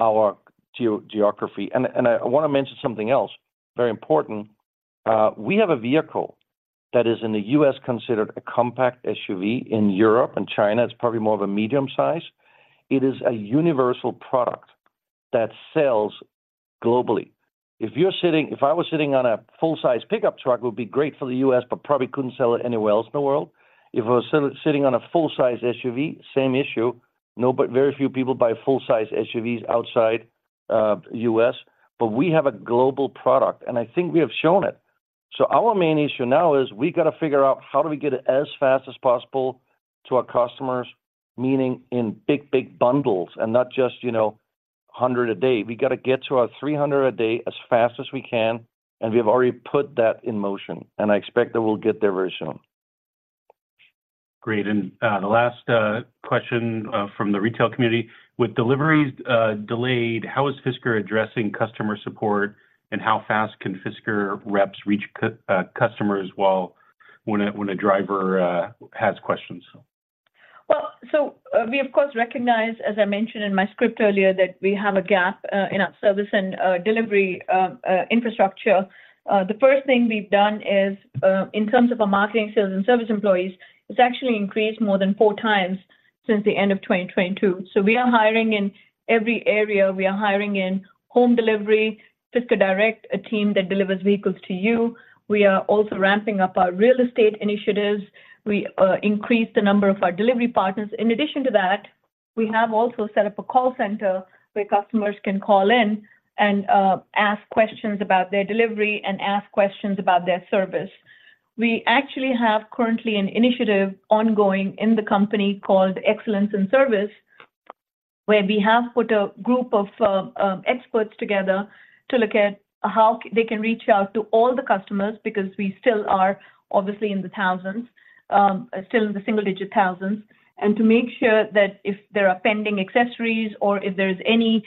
our geography. And I want to mention something else very important. We have a vehicle that is in the U.S., considered a compact SUV. In Europe and China, it's probably more of a medium size. It is a universal product that sells globally. If I was sitting on a full-size pickup truck, it would be great for the U.S., but probably couldn't sell it anywhere else in the world. If I was sitting on a full-size SUV, same issue. No, but very few people buy full-size SUVs outside U.S., but we have a global product, and I think we have shown it. So our main issue now is, we got to figure out how do we get it as fast as possible to our customers, meaning in big, big bundles, and not just, you know, 100 a day. We got to get to our 300 a day as fast as we can, and we have already put that in motion, and I expect that we'll get there very soon. Great. And the last question from the retail community: With deliveries delayed, how is Fisker addressing customer support? And how fast can Fisker reps reach customers when a driver has questions? Well, so, we, of course, recognize, as I mentioned in my script earlier, that we have a gap in our service and delivery infrastructure. The first thing we've done is, in terms of our marketing, sales, and service employees, it's actually increased more than four times since the end of 2022. So we are hiring in every area. We are hiring in home delivery, Fisker Direct, a team that delivers vehicles to you. We are also ramping up our real estate initiatives. We increased the number of our delivery partners. In addition to that, we have also set up a call center where customers can call in and ask questions about their delivery and ask questions about their service. We actually have currently an initiative ongoing in the company called Excellence in Service, where we have put a group of experts together to look at how they can reach out to all the customers, because we still are obviously in the thousands, still in the single-digit thousands. And to make sure that if there are pending accessories or if there's any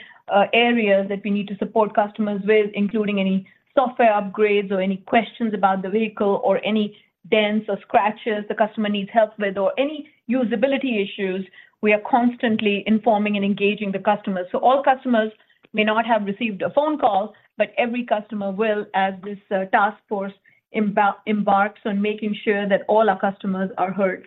areas that we need to support customers with, including any software upgrades or any questions about the vehicle, or any dents or scratches the customer needs help with, or any usability issues, we are constantly informing and engaging the customers. So all customers may not have received a phone call, but every customer will, as this task force embarks on making sure that all our customers are heard.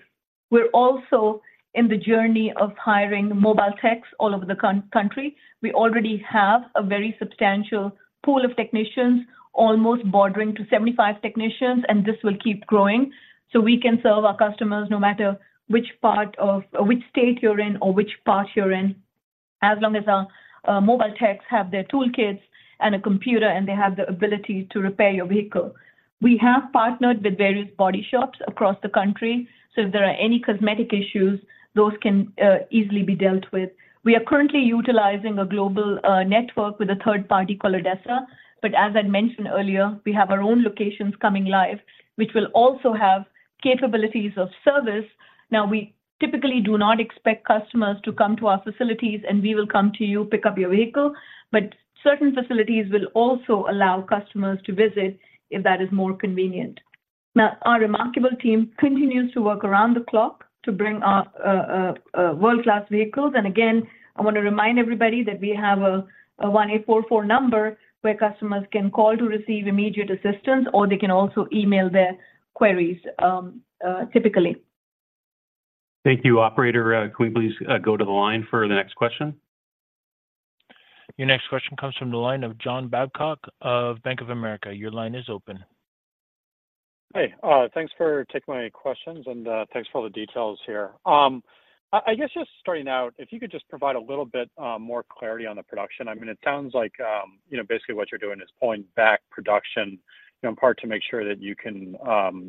We're also in the journey of hiring mobile techs all over the country. We already have a very substantial pool of technicians, almost bordering to 75 technicians, and this will keep growing, so we can serve our customers no matter which part of or which state you're in or which part you're in, as long as our mobile techs have their toolkits and a computer, and they have the ability to repair your vehicle. We have partnered with various body shops across the country, so if there are any cosmetic issues, those can easily be dealt with. We are currently utilizing a global network with a third party called ADESA, but as I mentioned earlier, we have our own locations coming live, which will also have capabilities of service. Now, we typically do not expect customers to come to our facilities, and we will come to you, pick up your vehicle, but certain facilities will also allow customers to visit if that is more convenient. Now, our remarkable team continues to work around the clock to bring our world-class vehicles. And again, I want to remind everybody that we have a 1-844 number where customers can call to receive immediate assistance, or they can also email their queries, typically. Thank you. Operator, can we please go to the line for the next question? Your next question comes from the line of John Babcock of Bank of America. Your line is open. Hey, thanks for taking my questions, and thanks for all the details here. I guess just starting out, if you could just provide a little bit more clarity on the production. I mean, it sounds like you know, basically what you're doing is pulling back production, you know, in part, to make sure that you can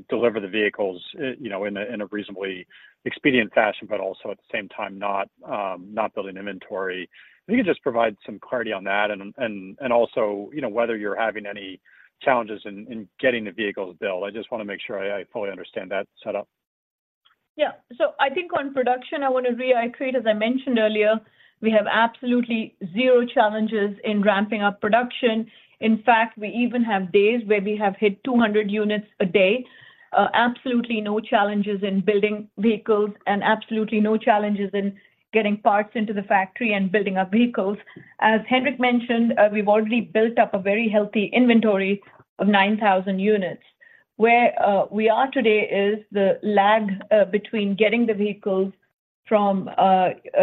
deliver the vehicles, you know, in a reasonably expedient fashion, but also at the same time, not building inventory. If you could just provide some clarity on that and also, you know, whether you're having any challenges in getting the vehicles built. I just want to make sure I fully understand that setup. Yeah. So I think on production, I want to reiterate, as I mentioned earlier, we have absolutely zero challenges in ramping up production. In fact, we even have days where we have hit 200 units a day. Absolutely no challenges in building vehicles and absolutely no challenges in getting parts into the factory and building up vehicles. As Henrik mentioned, we've already built up a very healthy inventory of 9,000 units. Where we are today is the lag between getting the vehicles from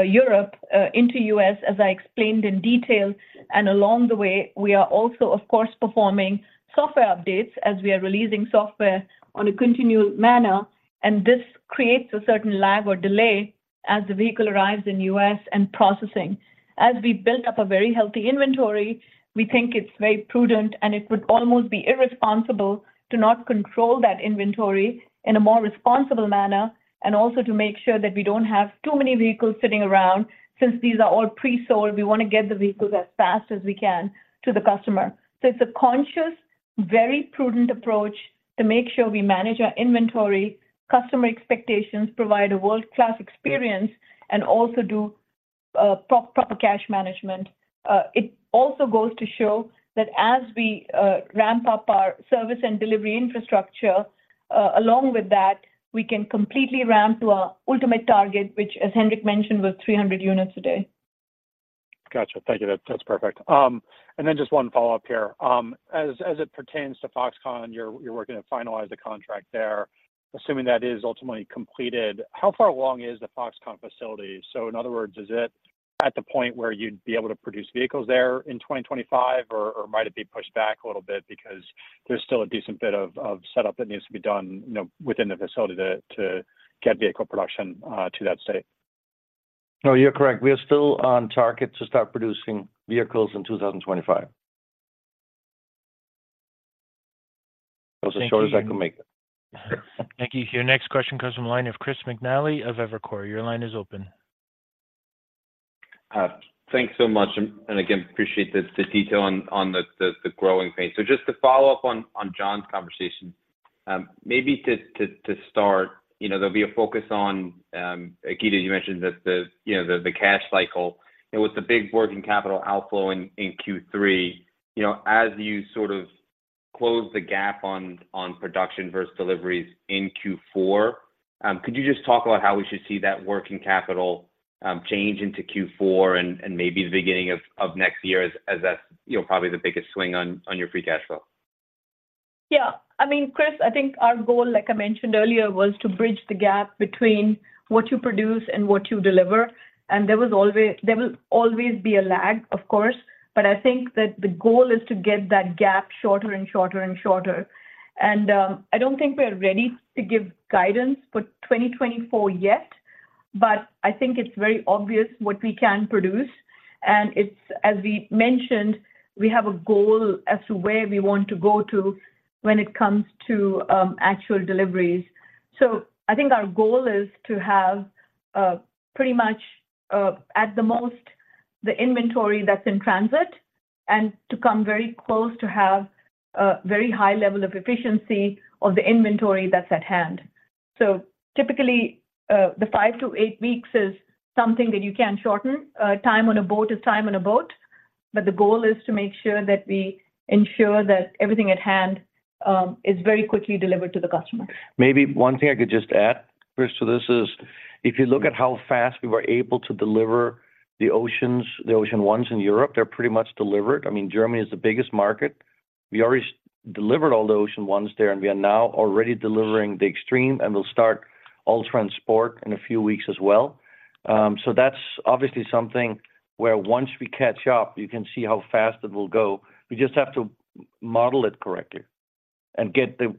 Europe into U.S., as I explained in detail. And along the way, we are also, of course, performing software updates as we are releasing software on a continual manner, and this creates a certain lag or delay as the vehicle arrives in U.S. and processing. As we built up a very healthy inventory, we think it's very prudent, and it would almost be irresponsible to not control that inventory in a more responsible manner, and also to make sure that we don't have too many vehicles sitting around. Since these are all pre-sold, we want to get the vehicles as fast as we can to the customer. So it's a conscious, very prudent approach to make sure we manage our inventory, customer expectations, provide a world-class experience, and also do proper cash management. It also goes to show that as we ramp up our service and delivery infrastructure, along with that, we can completely ramp to our ultimate target, which, as Henrik mentioned, was 300 units a day. Gotcha. Thank you. That's perfect. And then just one follow-up here. As it pertains to Foxconn, you're working to finalize the contract there. Assuming that is ultimately completed, how far along is the Foxconn facility? So in other words, is it at the point where you'd be able to produce vehicles there in 2025, or might it be pushed back a little bit because there's still a decent bit of setup that needs to be done, you know, within the facility to get vehicle production to that state? No, you're correct. We are still on target to start producing vehicles in 2025. That was as short as I could make it. Thank you. Your next question comes from the line of Chris McNally of Evercore. Your line is open. Thanks so much, and again, appreciate the detail on the growing pain. So just to follow up on John's conversation, maybe to start, you know, there'll be a focus on Geeta, you mentioned that the, you know, the cash cycle, and with the big working capital outflow in Q3, you know, as you sort of close the gap on production versus deliveries in Q4, could you just talk about how we should see that working capital change into Q4 and maybe the beginning of next year as that's, you know, probably the biggest swing on your free cash flow? Yeah. I mean, Chris, I think our goal, like I mentioned earlier, was to bridge the gap between what you produce and what you deliver, and there was always-there will always be a lag, of course, but I think that the goal is to get that gap shorter and shorter and shorter. And, I don't think we're ready to give guidance for 2024 yet. But I think it's very obvious what we can produce, and it's, as we mentioned, we have a goal as to where we want to go to when it comes to actual deliveries. So I think our goal is to have, pretty much, at the most, the inventory that's in transit, and to come very close to have a very high level of efficiency of the inventory that's at hand. So typically, the five to eight weeks is something that you can shorten. Time on a boat is time on a boat, but the goal is to make sure that we ensure that everything at hand is very quickly delivered to the customer. Maybe one thing I could just add, Chris, to this is, if you look at how fast we were able to deliver the Oceans, the Ocean Ones in Europe, they're pretty much delivered. I mean, Germany is the biggest market. We already delivered all the Ocean Ones there, and we are now already delivering the Extreme, and we'll start all transport in a few weeks as well. So that's obviously something where once we catch up, you can see how fast it will go. We just have to model it correctly and get the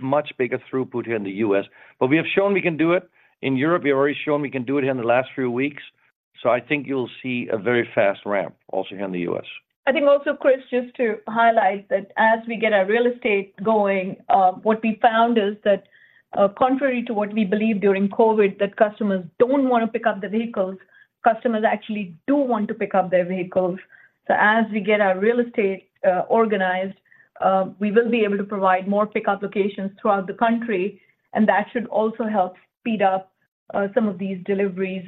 much bigger throughput here in the U.S. But we have shown we can do it in Europe. We have already shown we can do it here in the last few weeks, so I think you'll see a very fast ramp also here in the U.S. I think also, Chris, just to highlight that as we get our real estate going, what we found is that, contrary to what we believed during COVID, that customers don't want to pick up the vehicles, customers actually do want to pick up their vehicles. So as we get our real estate organized, we will be able to provide more pickup locations throughout the country, and that should also help speed up some of these deliveries.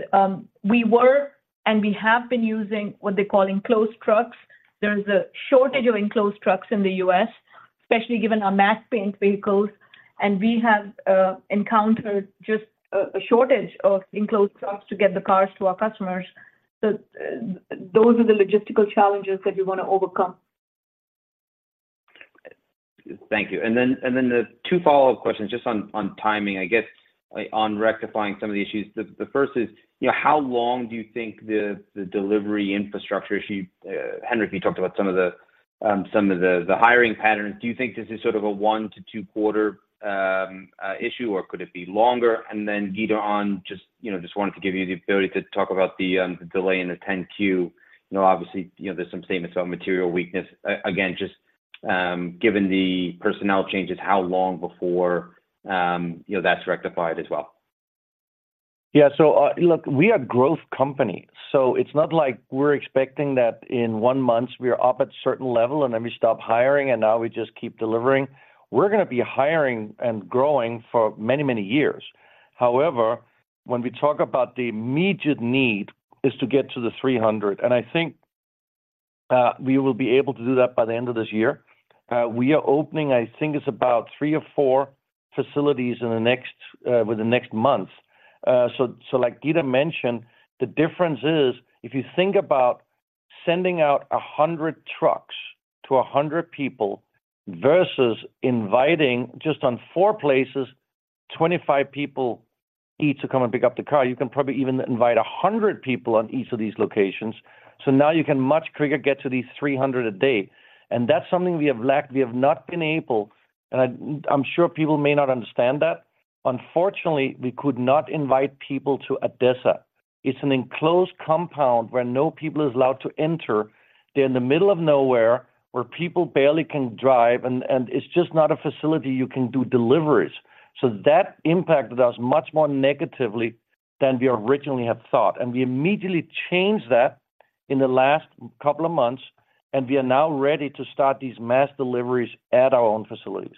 We were, and we have been using what they call enclosed trucks. There's a shortage of enclosed trucks in the U.S., especially given our matte paint vehicles, and we have encountered just a shortage of enclosed trucks to get the cars to our customers. So those are the logistical challenges that we want to overcome. Thank you. And then the two follow-up questions, just on timing, I guess, like, on rectifying some of the issues. The first is, you know, how long do you think the delivery infrastructure issue, Henrik, you talked about some of the hiring patterns. Do you think this is sort of a one to two quarter issue, or could it be longer? And then, Geeta, on just, you know, just wanted to give you the ability to talk about the delay in the 10-Q. You know, obviously, you know, there's some statements on material weakness. Again, just given the personnel changes, how long before, you know, that's rectified as well? Yeah, so, look, we are a growth company, so it's not like we're expecting that in one month we are up at a certain level, and then we stop hiring, and now we just keep delivering. We're gonna be hiring and growing for many, many years. However, when we talk about the immediate need is to get to the 300, and I think we will be able to do that by the end of this year. We are opening, I think it's about three or four facilities within the next month. So, like Geeta mentioned, the difference is, if you think about sending out 100 trucks to 100 people versus inviting just on four places, 25 people each to come and pick up the car, you can probably even invite 100 people on each of these locations. So now you can much quicker get to these 300 a day, and that's something we have lacked. We have not been able, and I, I'm sure people may not understand that. Unfortunately, we could not invite people to ADESA. It's an enclosed compound where no people is allowed to enter. They're in the middle of nowhere, where people barely can drive, and it's just not a facility you can do deliveries. So that impacted us much more negatively than we originally had thought. And we immediately changed that in the last couple of months, and we are now ready to start these mass deliveries at our own facilities.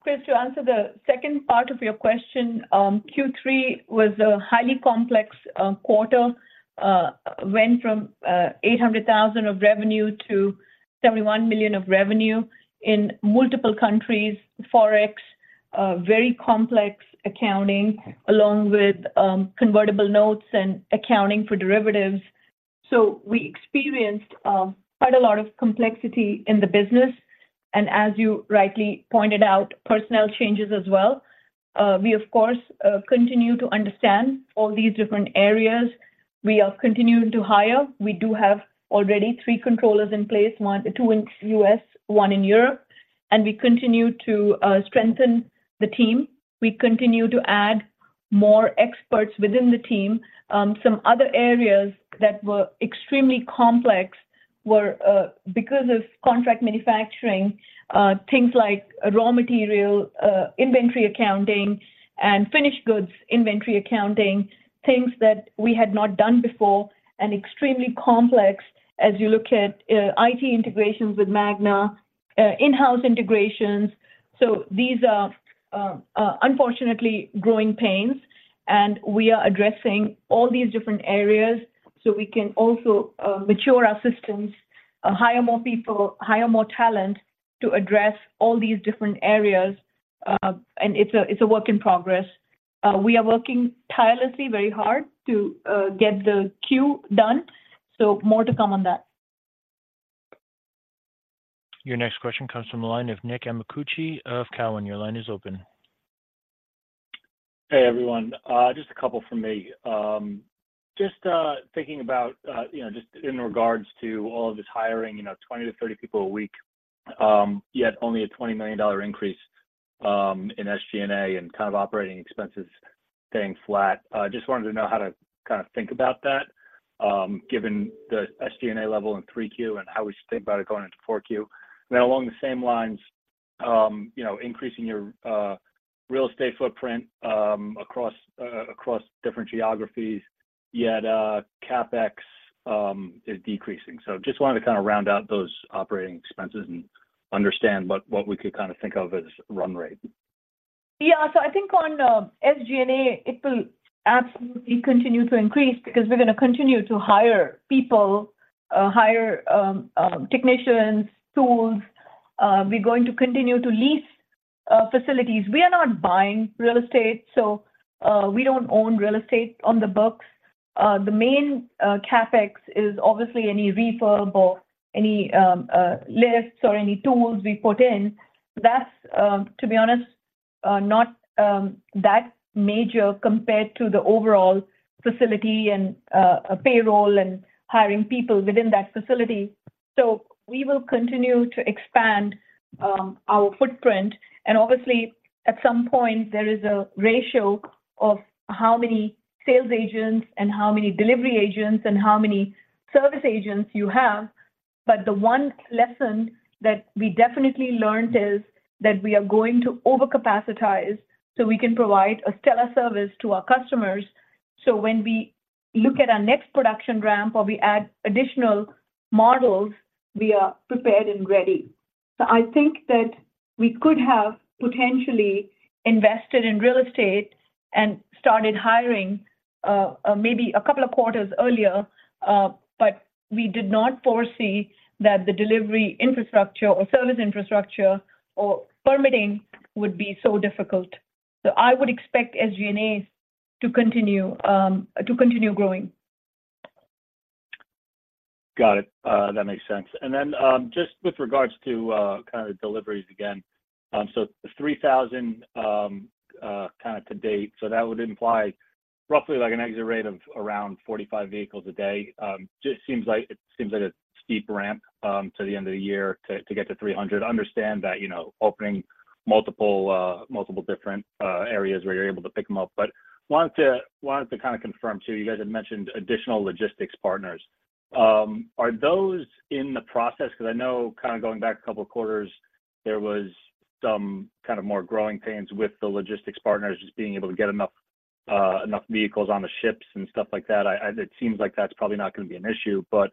Chris, to answer the second part of your question, Q3 was a highly complex quarter. Went from $800,000 of revenue to $71 million of revenue in multiple countries, Forex, very complex accounting, along with convertible notes and accounting for derivatives. So we experienced quite a lot of complexity in the business and as you rightly pointed out, personnel changes as well. We of course continue to understand all these different areas. We are continuing to hire. We do have already three controllers in place, one, two in U.S., one in Europe, and we continue to strengthen the team. We continue to add more experts within the team. Some other areas that were extremely complex were, because of contract manufacturing, things like raw material, inventory accounting, and finished goods, inventory accounting, things that we had not done before, and extremely complex as you look at, IT integrations with Magna, in-house integrations. So these are, unfortunately, growing pains, and we are addressing all these different areas, so we can also, mature our systems, hire more people, hire more talent to address all these different areas. And it's a, it's a work in progress. We are working tirelessly, very hard to, get the queue done, so more to come on that. Your next question comes from the line of Nick Amicucci of Cowen. Your line is open. Hey, everyone, just a couple from me. Just thinking about, you know, just in regards to all of this hiring, you know, 20 to 30 people a week, yet only a $20 million increase in SG&A and kind of operating expenses staying flat. Just wanted to know how to kind of think about that, given the SG&A level in 3Q and how we should think about it going into 4Q. Then along the same lines, you know, increasing your real estate footprint across different geographies, yet CapEx is decreasing. So just wanted to kind of round out those operating expenses and understand what we could kind of think of as run rate. Yeah. So I think on SG&A, it will absolutely continue to increase because we're going to continue to hire people, hire technicians, tools. We're going to continue to lease facilities. We are not buying real estate, so we don't own real estate on the books. The main CapEx is obviously any refurb or any lifts or any tools we put in. That's, to be honest, not that major compared to the overall facility and payroll and hiring people within that facility. So we will continue to expand our footprint, and obviously, at some point, there is a ratio of how many sales agents and how many delivery agents and how many service agents you have. But the one lesson that we definitely learned is that we are going to over capacitize, so we can provide a stellar service to our customers. So when we look at our next production ramp or we add additional models, we are prepared and ready. So I think that we could have potentially invested in real estate and started hiring, maybe a couple of quarters earlier, but we did not foresee that the delivery infrastructure or service infrastructure or permitting would be so difficult. So I would expect SG&A to continue to continue growing. Got it. That makes sense. And then, just with regards to, kind of deliveries again. So 3,000, kind of to date. So that would imply roughly like an exit rate of around 45 vehicles a day. It seems like a steep ramp, to the end of the year to get to 300. I understand that, you know, opening multiple different areas where you're able to pick them up. But wanted to kind of confirm, too, you guys had mentioned additional logistics partners. Are those in the process? Because I know kind of going back a couple of quarters, there was some kind of more growing pains with the logistics partners, just being able to get enough vehicles on the ships and stuff like that. It seems like that's probably not going to be an issue, but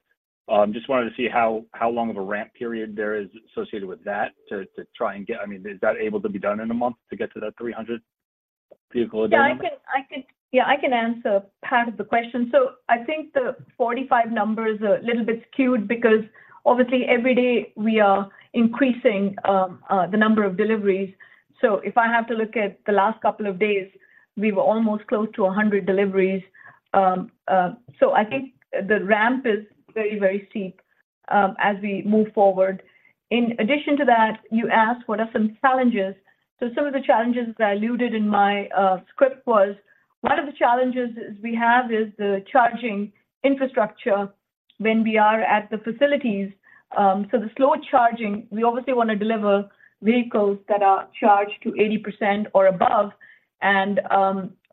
just wanted to see how long of a ramp period there is associated with that to try and get... I mean, is that able to be done in a month to get to that 300 vehicle a day number? Yeah, I can answer part of the question. So I think the 45 number is a little bit skewed because obviously, every day we are increasing the number of deliveries. So if I have to look at the last couple of days, we were almost close to 100 deliveries. So I think the ramp is very, very steep as we move forward. In addition to that, you asked, what are some challenges? So some of the challenges that I alluded in my script was, one of the challenges we have is the charging infrastructure when we are at the facilities. So the slow charging, we obviously want to deliver vehicles that are charged to 80% or above, and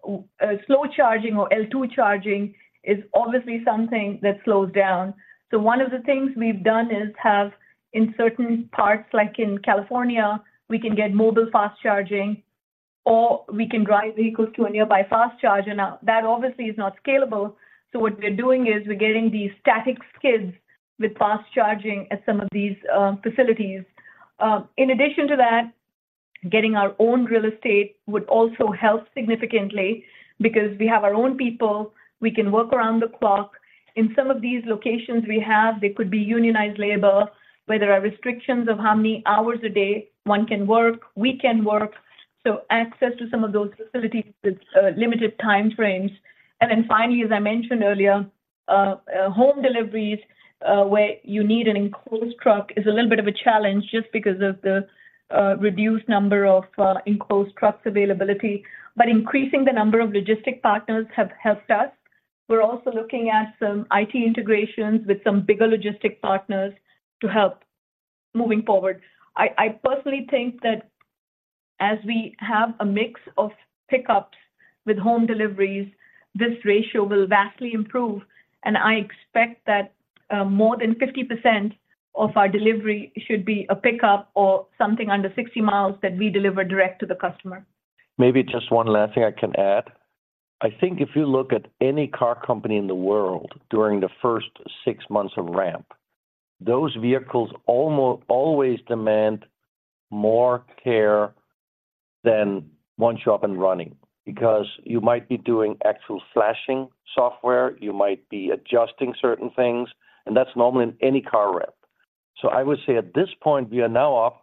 slow charging or L2 charging is obviously something that slows down. So one of the things we've done is have in certain parts, like in California, we can get mobile fast charging, or we can drive vehicles to a nearby fast charger. Now, that obviously is not scalable. So what we're doing is we're getting these static skids with fast charging at some of these facilities. In addition to that, getting our own real estate would also help significantly because we have our own people. We can work around the clock. In some of these locations we have, they could be unionized labor, where there are restrictions of how many hours a day one can work, we can work. So access to some of those facilities with limited time frames. And then finally, as I mentioned earlier, home deliveries, where you need an enclosed truck is a little bit of a challenge just because of the, reduced number of, enclosed trucks availability, but increasing the number of logistic partners have helped us. We're also looking at some IT integrations with some bigger logistic partners to help moving forward. I personally think that as we have a mix of pickups with home deliveries, this ratio will vastly improve, and I expect that, more than 50% of our delivery should be a pickup or something under 60 miles that we deliver direct to the customer. Maybe just one last thing I can add. I think if you look at any car company in the world during the first six months of ramp, those vehicles almost always demand more care than once you're up and running, because you might be doing actual flashing software, you might be adjusting certain things, and that's normal in any car ramp. So I would say at this point, we are now up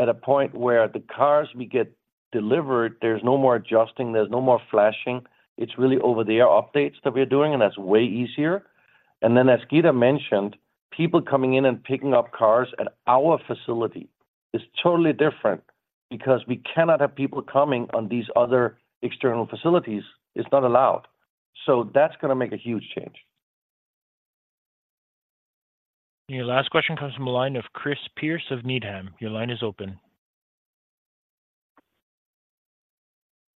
at a point where the cars we get delivered, there's no more adjusting, there's no more flashing. It's really over-the-air updates that we're doing, and that's way easier... And then, as Geeta mentioned, people coming in and picking up cars at our facility is totally different, because we cannot have people coming on these other external facilities. It's not allowed. So that's gonna make a huge change. Your last question comes from the line of Chris Pierce of Needham. Your line is open.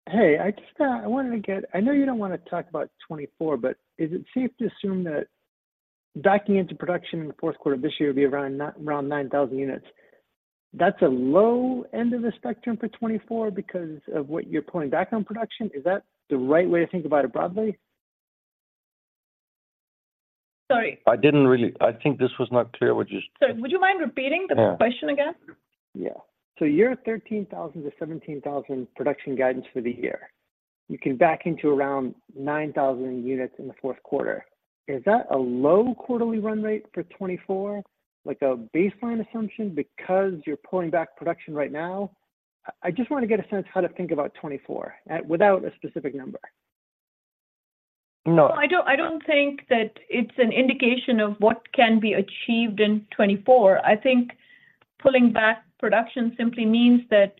Hey, I just, I wanted to get—I know you don't wanna talk about 2024, but is it safe to assume that backing into production in the fourth quarter of this year will be around 9,000 units? That's a low end of the spectrum for 2024 because of what you're pulling back on production. Is that the right way to think about it broadly? Sorry. I think this was not clear what you Sorry, would you mind repeating the question again? Yeah. So you're at 13,000 to 17,000 production guidance for the year. You can back into around 9,000 units in the fourth quarter. Is that a low quarterly run rate for 2024, like a baseline assumption, because you're pulling back production right now? I just wanna get a sense of how to think about 2024 without a specific number. No. I don't, I don't think that it's an indication of what can be achieved in 2024. I think pulling back production simply means that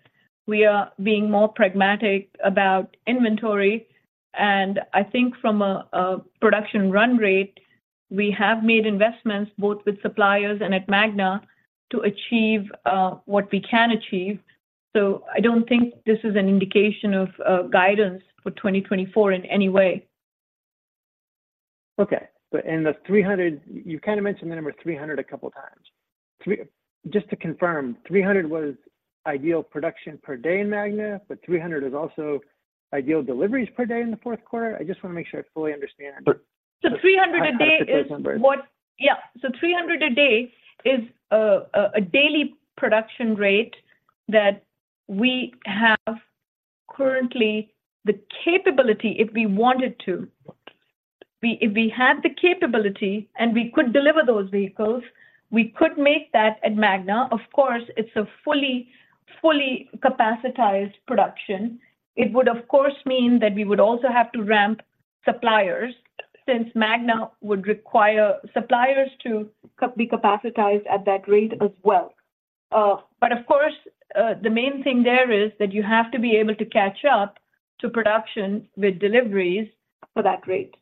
we are being more pragmatic about inventory, and I think from a production run rate, we have made investments both with suppliers and at Magna to achieve what we can achieve. So I don't think this is an indication of guidance for 2024 in any way. Okay. And the 300... You kinda mentioned the number 300 a couple of times. Just to confirm, 300 was ideal production per day in Magna, but 300 is also ideal deliveries per day in the fourth quarter? I just wanna make sure I fully understand. 300 a day is what- Yeah. Yeah, so 300 a day is a daily production rate that we have currently the capability, if we wanted to, if we had the capability and we could deliver those vehicles, we could make that at Magna. Of course, it's a fully capacitized production. It would, of course, mean that we would also have to ramp suppliers, since Magna would require suppliers to be capacitized at that rate as well. But of course, the main thing there is that you have to be able to catch up to production with deliveries for that rate.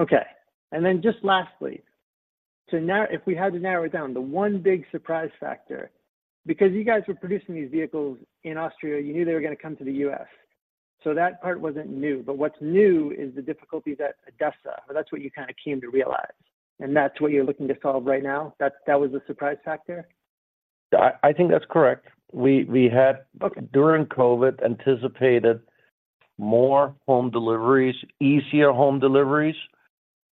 Okay. And then, just lastly, to narrow it down, the one big surprise factor, because you guys were producing these vehicles in Austria, you knew they were gonna come to the U.S. So that part wasn't new. But what's new is the difficulty that ADESA, that's what you kinda came to realize, and that's what you're looking to solve right now. That, that was the surprise factor? I think that's correct. We had- Okay... during COVID, anticipated more home deliveries, easier home deliveries,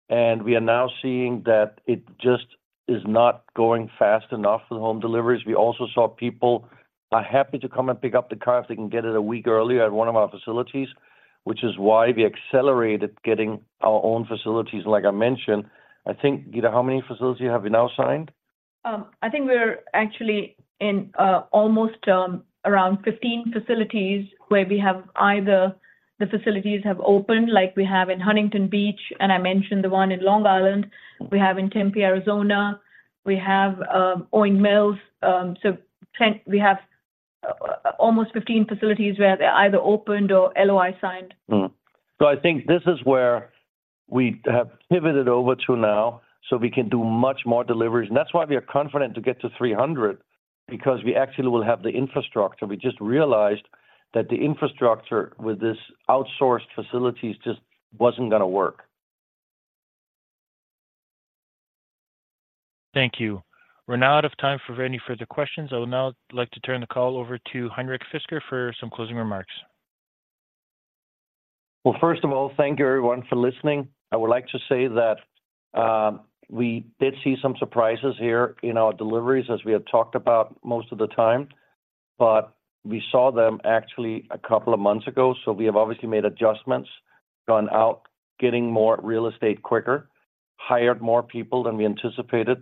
and we are now seeing that it just is not going fast enough for the home deliveries. We also saw people are happy to come and pick up the car if they can get it a week earlier at one of our facilities, which is why we accelerated getting our own facilities. Like I mentioned, I think, Geeta, how many facilities have we now signed? I think we're actually in, almost, around 15 facilities, where we have either the facilities have opened, like we have in Huntington Beach, and I mentioned the one in Long Island. We have in Tempe, Arizona, we have, Owings Mills, so we have, almost 15 facilities where they're either opened or LOI signed. I think this is where we have pivoted over to now, so we can do much more deliveries. That's why we are confident to get to 300, because we actually will have the infrastructure. We just realized that the infrastructure with this outsourced facilities just wasn't gonna work. Thank you. We're now out of time for any further questions. I would now like to turn the call over to Henrik Fisker for some closing remarks. Well, first of all, thank you, everyone, for listening. I would like to say that we did see some surprises here in our deliveries, as we have talked about most of the time, but we saw them actually a couple of months ago. So we have obviously made adjustments, gone out, getting more real estate quicker, hired more people than we anticipated.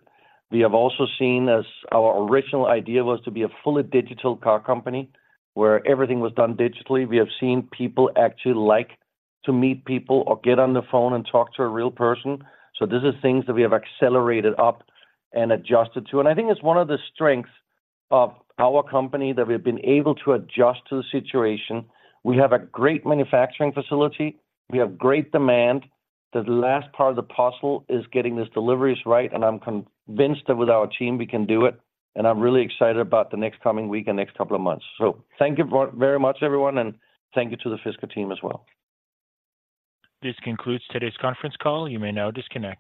We have also seen, as our original idea was to be a fully digital car company, where everything was done digitally, we have seen people actually like to meet people or get on the phone and talk to a real person. So these are things that we have accelerated up and adjusted to. And I think it's one of the strengths of our company, that we've been able to adjust to the situation. We have a great manufacturing facility, we have great demand. The last part of the puzzle is getting these deliveries right, and I'm convinced that with our team, we can do it. And I'm really excited about the next coming week and next couple of months. So thank you very much, everyone, and thank you to the Fisker team as well. This concludes today's conference call. You may now disconnect.